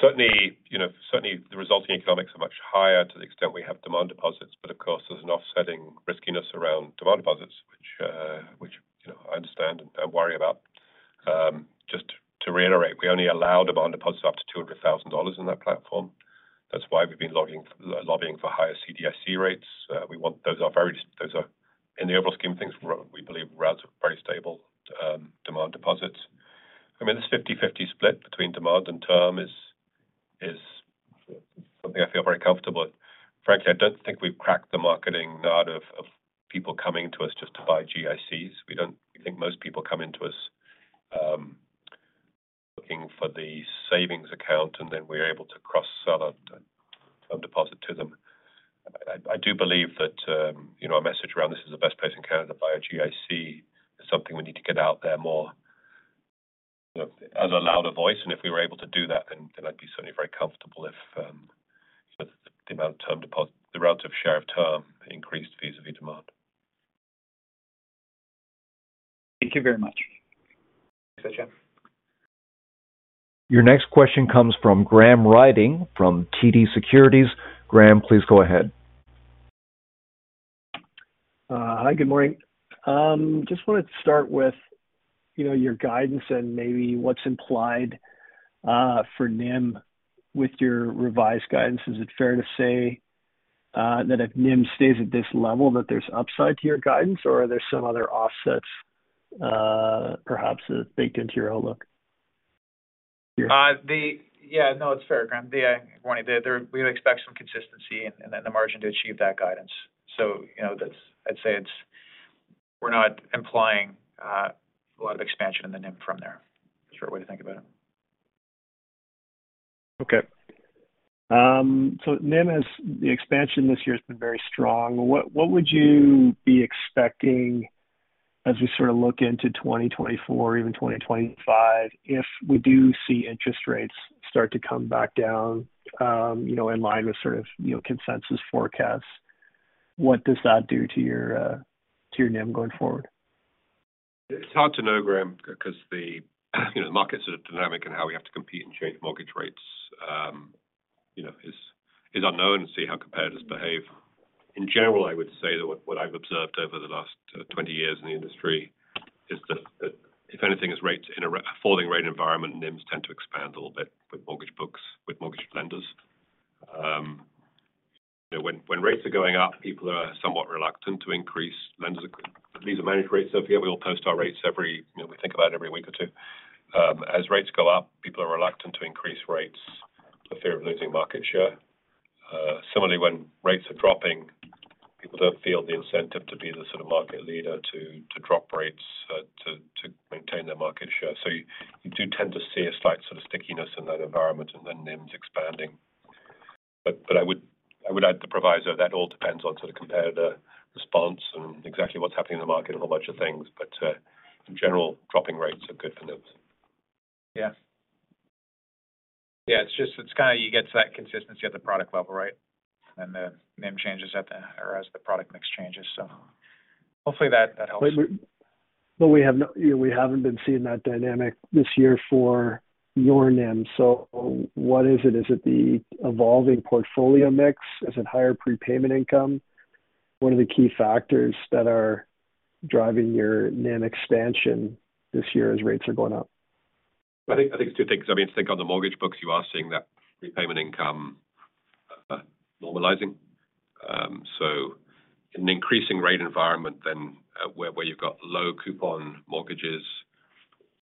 Certainly, you know, certainly the resulting economics are much higher to the extent we have demand deposits, but of course, there's an offsetting riskiness around demand deposits, which, you know, I understand and worry about. Just to reiterate, we only allow demand deposits up to 200,000 dollars in that platform. That's why we've been lobbying, lobbying for higher CDIC rates. In the overall scheme of things, we believe we're at a very stable demand deposits. I mean, this 50/50 split between demand and term is something I feel very comfortable with. Frankly, I don't think we've cracked the marketing nod of people coming to us just to buy GICs. We think most people come into us, looking for the savings account, and then we're able to cross-sell on term deposit to them. I do believe that, you know, a message around this is the best place in Canada to buy a GIC is something we need to get out there more as a louder voice. If we were able to do that, then I'd be certainly very comfortable if the amount of term deposit, the relative share of term increased vis-à-vis demand. Thank you very much. Thanks. Your next question comes from Graham Ryding from TD Securities. Graham, please go ahead. Hi, good morning. Just wanted to start with, you know, your guidance and maybe what's implied for NIM with your revised guidance. Is it fair to say that if NIM stays at this level, that there's upside to your guidance, or are there some other offsets, perhaps, baked into your outlook? Yeah, no, it's fair, Graham. Morning, we expect some consistency and then the margin to achieve that guidance. You know, that's, I'd say it's, we're not implying a lot of expansion in the NIM from there. Sure way to think about it. Okay. NIM has, the expansion this year has been very strong. What, what would you be expecting as we sort of look into 2024 or even 2025, if we do see interest rates start to come back down, you know, in line with sort of, you know, consensus forecasts? What does that do to your NIM going forward? It's hard to know, Graham, because the, you know, the market's sort of dynamic and how we have to compete and change mortgage rates, you know, is, is unknown to see how competitors behave. In general, I would say that what, what I've observed over the last 20 years in the industry is that, that if anything, in a falling rate environment, NIMs tend to expand a little bit with mortgage books, with mortgage lenders. You know, when, when rates are going up, people are somewhat reluctant to increase. These are managed rates, so here we will post our rates every, you know, we think about it every week or two. As rates go up, people are reluctant to increase rates for fear of losing market share. Similarly, when rates are dropping, people don't feel the incentive to be the sort of market leader to, to drop rates, to, to maintain their market share. You do tend to see a slight sort of stickiness in that environment and then NIMs expanding. I would add the proviso, that all depends on sort of competitor response and exactly what's happening in the market and a whole bunch of things. In general, dropping rates are good for NIMs. Yeah. Yeah, it's just, it's kinda you get to that consistency at the product level, right? The NIM changes at the, or as the product mix changes. Hopefully that, that helps. We, but we have not, you know, we haven't been seeing that dynamic this year for your NIM. What is it? Is it the evolving portfolio mix? Is it higher prepayment income? What are the key factors that are driving your NIM expansion this year as rates are going up? I think, it's two things. I mean, if you think on the mortgage books, you are seeing that prepayment income, normalizing. In an increasing rate environment, then, where, where you've got low coupon mortgages,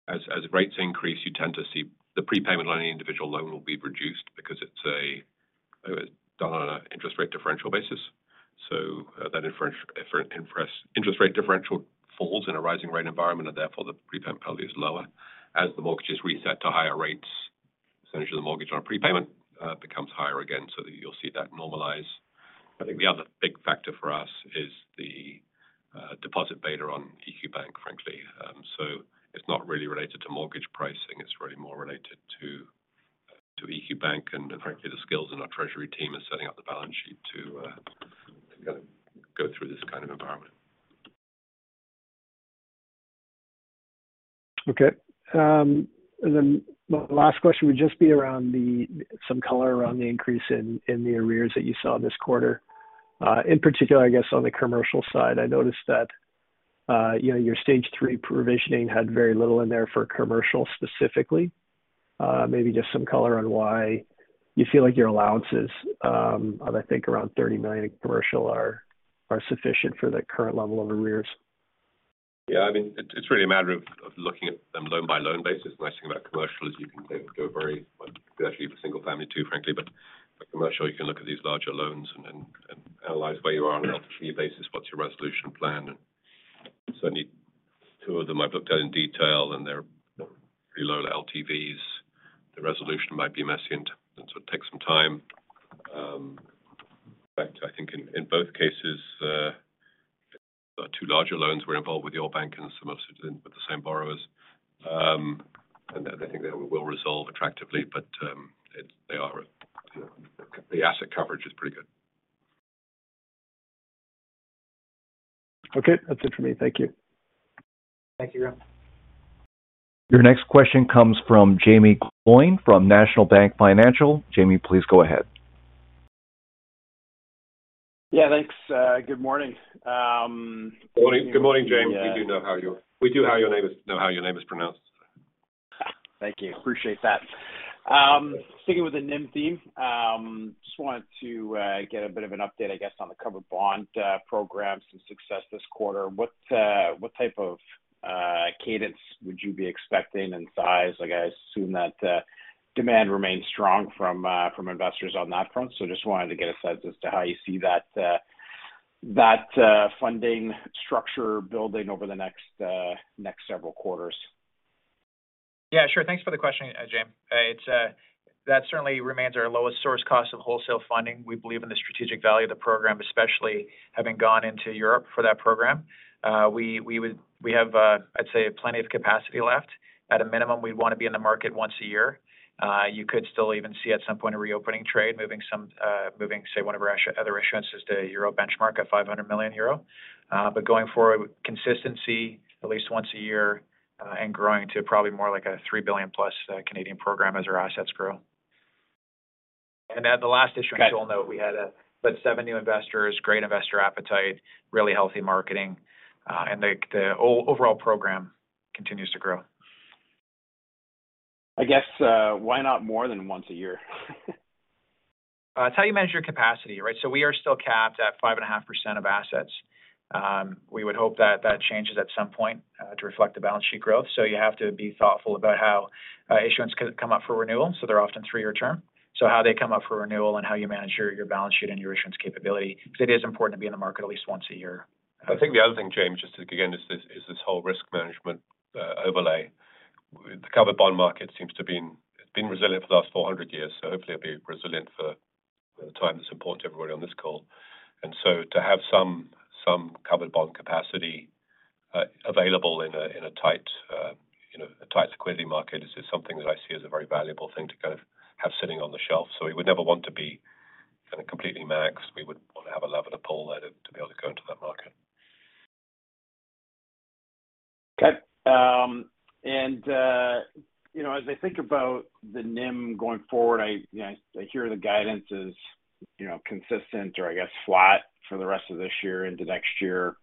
as rates increase, you tend to see the prepayment on any individual loan will be reduced because it's a, done on an interest rate differential basis. That interest rate differential falls in a rising rate environment, and therefore, the prepayment probably is lower. As the mortgages reset to higher rates, essentially, the mortgage on a prepayment, becomes higher again, so that you'll see that normalize. I think the other big factor for us is the, deposit beta on EQ Bank, frankly. It's not really related to mortgage pricing, it's really more related to EQ Bank and frankly, the skills in our treasury team and setting up the balance sheet to kinda go through this kind of environment. Okay. My last question would just be some color around the increase in the arrears that you saw this quarter. In particular, I guess on the commercial side, I noticed that, you know, your Stage 3 provisioning had very little in there for commercial specifically. Maybe just some color on why you feel like your allowances, of I think around 30 million commercial, are sufficient for the current level of arrears. Yeah, I mean, it, it's really a matter of, of looking at them loan by loan basis. The nice thing about commercial is you can go, go very. Actually, for single family too, frankly, but for commercial, you can look at these larger loans and analyze where you are on a key basis, what's your resolution plan? Certainly, two of them I've looked at in detail, and they're pretty low LTVs. The resolution might be messy and so it takes some time. I think in both cases, two larger loans were involved with your bank and some others with the same borrowers. I think they will resolve attractively, but, it, they are, the asset coverage is pretty good. Okay. That's it for me. Thank you. Thank you. Your next question comes from Jaeme Gloyn from National Bank Financial. Jaeme, please go ahead. Yeah, thanks. Good morning. Good morning. Good morning, Jaeme. We do know how your name is pronounced. Thank you. Appreciate that. Sticking with the NIM theme, just wanted to get a bit of an update, I guess, on the covered bond program, some success this quarter. What, what type of cadence would you be expecting in size? Like, I assume that demand remains strong from investors on that front, so just wanted to get a sense as to how you see that, that funding structure building over the next several quarters. Yeah, sure. Thanks for the question, Jaeme. It's that certainly remains our lowest source cost of wholesale funding. We believe in the strategic value of the program, especially having gone into Europe for that program. We have, I'd say plenty of capacity left. At a minimum, we'd want to be in the market once a year. You could still even see at some point, a reopening trade, moving some say, one of our other issuances to a euro benchmark at 500 million euro. Going forward, consistency at least once a year, and growing to probably more like a 3 billion+ Canadian program as our assets grow. At the last issuance, you'll note, we had seven new investors, great investor appetite, really healthy marketing, and the overall program continues to grow. I guess, why not more than once a year? It's how you manage your capacity, right? We are still capped at 5.5% of assets. We would hope that that changes at some point to reflect the balance sheet growth. You have to be thoughtful about how issuance could come up for renewal, so they're often three-year term. How they come up for renewal and how you manage your, your balance sheet and your issuance capability, because it is important to be in the market at least once a year. I think the other thing, Jaeme, just again, is this whole risk management, overlay. The covered bond market seems to have been, been resilient for the last 400 years, so hopefully it'll be resilient for the time that's important to everybody on this call. To have some, some covered bond capacity, available in a, in a tight, you know, a tight liquidity market, is just something that I see as a very valuable thing to kind of have sitting on the shelf. We would never want to be kind of completely maxed. We would want to have a lever to pull there to be able to go into that market. Okay. You know, as I think about the NIM going forward, I, you know, I hear the guidance is, you know, consistent or I guess, flat for the rest of this year into next year.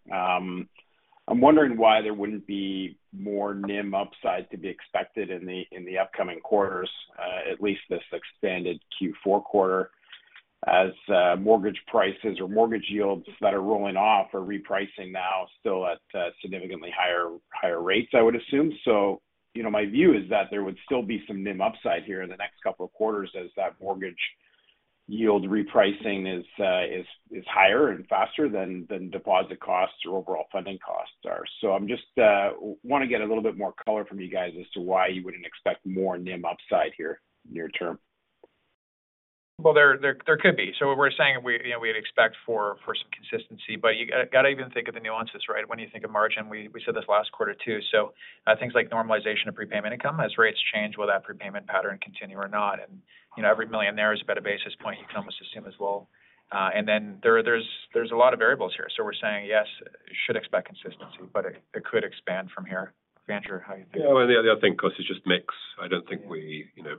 I'm wondering why there wouldn't be more NIM upside to be expected in the, in the upcoming quarters, at least this extended Q4 quarter, as, mortgage prices or mortgage yields that are rolling off are repricing now still at, significantly higher rates, I would assume. You know, my view is that there would still be some NIM upside here in the next couple of quarters as that mortgage yield repricing is higher and faster than deposit costs or overall funding costs are. I'm just, want to get a little bit more color from you guys as to why you wouldn't expect more NIM upside here near term? Well, there, there, there could be. What we're saying, we, you know, we'd expect for some consistency, but you gotta even think of the nuances, right? When you think of margin, we said this last quarter, too. Things like normalization of prepayment income. As rates change, will that prepayment pattern continue or not? You know, every 1 million there is about 1 basis point you can almost assume as well. There's, there's a lot of variables here. We're saying, yes, should expect consistency, but it, it could expand from here. Andrew, how do you think? Yeah, well, the, the other thing, of course, is just mix. I don't think we, you know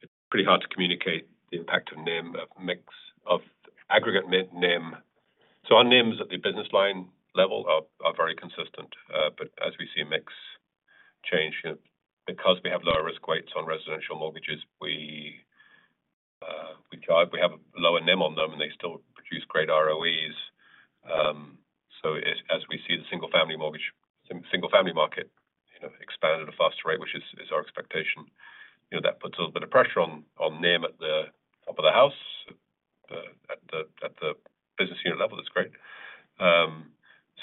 It's pretty hard to communicate the impact of NIM, of mix, of aggregate NIM. Our NIMs at the business line level are, are very consistent. As we see a mix change, because we have lower risk weights on residential mortgages, we have a lower NIM on them, and they still produce great ROEs. As, as we see the single-family mortgage, single-family market, you know, expand at a faster rate, which is, is our expectation, you know, that puts a little bit of pressure on, on NIM at the top of the house. At the business unit level, that's great.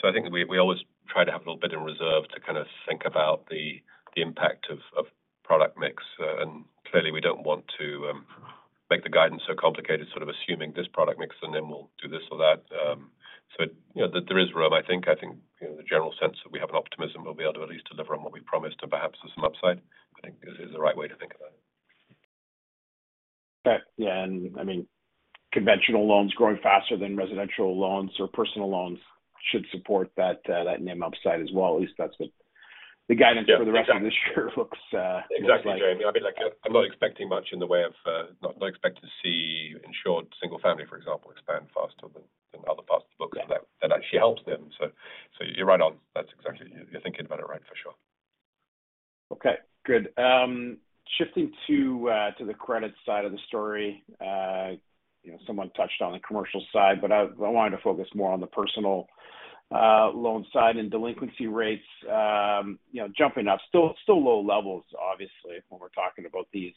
I think we, we always try to have a little bit in reserve to kind of think about the, the impact of, of product mix. Clearly, we don't want to make the guidance so complicated, sort of assuming this product mix, and then we'll do this or that. You know, there, there is room, I think. I think, you know, the general sense that we have an optimism we'll be able to at least deliver on what we've promised and perhaps there's some upside. I think this is the right way to think about it. Okay, yeah, I mean, conventional loans growing faster than residential loans or personal loans should support that, that NIM upside as well. At least that's what the guidance for the rest of this year looks, looks like. Exactly, Jaeme. I mean, like, I'm not expecting much in the way of, not expecting to see insured single-family, for example, expand faster than, than other parts of the book. Yeah. That actually helps NIM. You're right on. That's exactly. You're thinking about it right, for sure. Okay, good. Shifting to the credit side of the story. You know, someone touched on the commercial side, but I, I wanted to focus more on the personal loan side and delinquency rates, you know, jumping up. Still, still low levels, obviously, when we're talking about these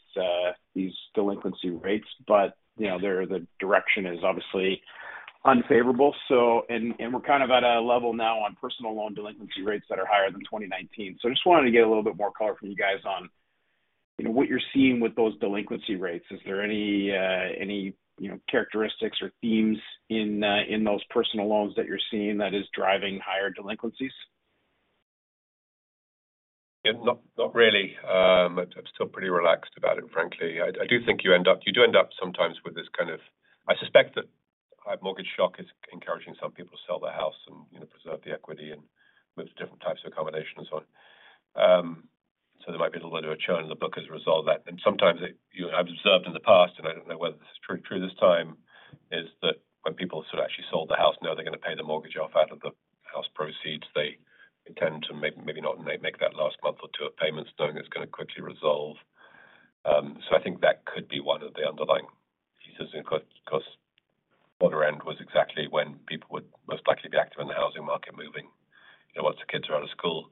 delinquency rates, but, you know, the direction is obviously unfavorable. We're kind of at a level now on personal loan delinquency rates that are higher than 2019. I just wanted to get a little bit more color from you guys on, you know, what you're seeing with those delinquency rates. Is there any, any, you know, characteristics or themes in those personal loans that you're seeing that is driving higher delinquencies? Yeah, not, not really. I'm still pretty relaxed about it, frankly. I, I do think you do end up sometimes with this kind of. I suspect that high mortgage shock is encouraging some people to sell their house and, you know, preserve the equity and move to different types of accommodation and so on. So there might be a little bit of a churn in the book as a result of that. Sometimes it, you know, I've observed in the past, and I don't know whether this is true, true this time, is that when people sort of actually sold the house, know they're gonna pay the mortgage off out of the house proceeds, they tend to maybe, maybe not make that last month or two of payments doing, it's gonna quickly resolve. I think that could be one of the underlying pieces. Of course, of course, quarter end was exactly when people would most likely be active in the housing market, moving, you know, once the kids are out of school.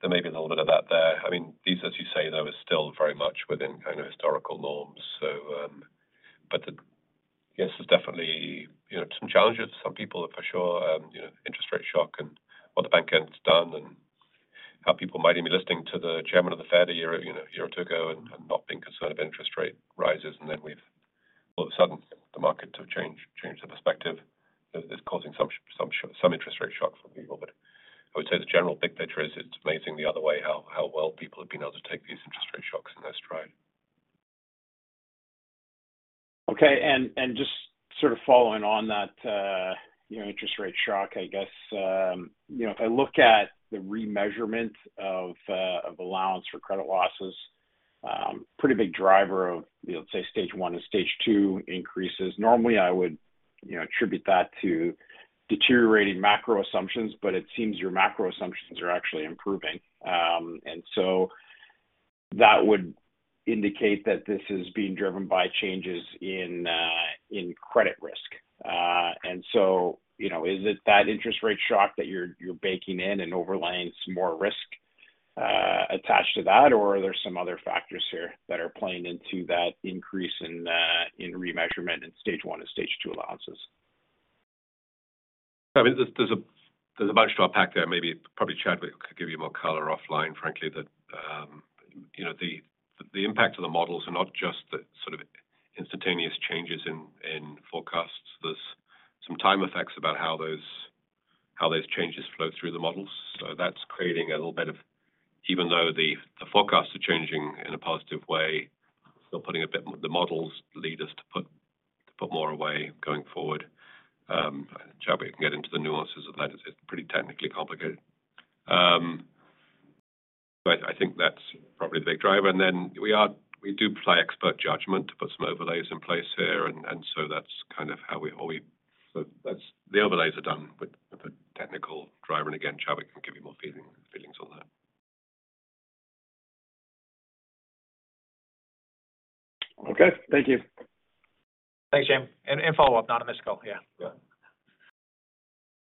There may be a little bit of that there. I mean, these, as you say, though, are still very much within kind of historical norms. Yes, there's definitely, you know, some challenges for some people, for sure, you know, interest rate shock and what the Bank of Canada has done and how people might even be listening to the chairman of the Fed a year, you know, a year or two years ago and, and not being concerned about interest rate rises. Then we've, all of a sudden, the market to change, change the perspective is causing some, some, some interest rate shock for people. I would say the general big picture is it's amazing the other way, how, how well people have been able to take these interest rate shocks in their stride. Okay, just sort of following on that, you know, interest rate shock, I guess, you know, if I look at the remeasurement of allowance for credit losses, pretty big driver of, you know, say, Stage 1 and Stage 2 increases. Normally, I would, you know, attribute that to deteriorating macro assumptions, but it seems your macro assumptions are actually improving. So that would indicate that this is being driven by changes in credit risk. So, you know, is it that interest rate shock that you're, you're baking in and overlaying some more risk attached to that? Or are there some other factors here that are playing into that increase in remeasurement in Stage 1 and Stage 2 allowances? I mean, there's a bunch to unpack there. Maybe, probably Chad could give you more color offline, frankly, that, you know, the, the impact of the models are not just the sort of instantaneous changes in, in forecasts. There's some time effects about how those, how those changes flow through the models. That's creating a little bit of, even though the, the forecasts are changing in a positive way, still putting a bit. The models lead us to put, to put more away going forward. Chad can get into the nuances of that. It's pretty technically complicated. I think that's probably the big driver. We do apply expert judgment to put some overlays in place here, and, and so that's kind of how we, how we. That's, the overlays are done with the technical driver, and again, Chad can give you more feeling, feelings on that. Okay. Thank you. Thanks, Jaeme, and follow up, not a miscall. Yeah. Yeah.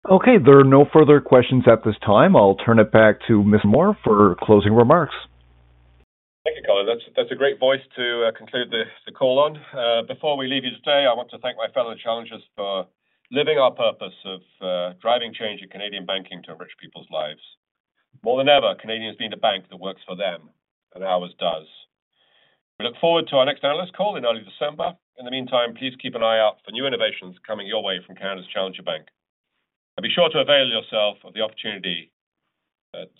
Okay, there are no further questions at this time. I'll turn it back to Andrew Moor for closing remarks. Thank you, Colin. That's, that's a great voice to conclude the call on. Before we leave you today, I want to thank my fellow Challengers for living our purpose of driving change in Canadian banking to enrich people's lives. More than ever, Canadians need a bank that works for them, and ours does. We look forward to our next analyst call in early December. In the meantime, please keep an eye out for new innovations coming your way from Canada's Challenger Bank. Be sure to avail yourself of the opportunity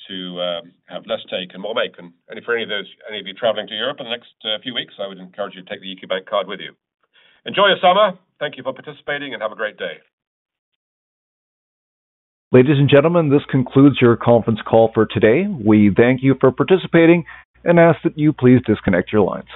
to have less take and more bacon. For any of those, any of you traveling to Europe in the next few weeks, I would encourage you to take the EQ Bank card with you. Enjoy your summer. Thank you for participating, and have a great day. Ladies and gentlemen, this concludes your conference call for today. We thank you for participating and ask that you please disconnect your lines.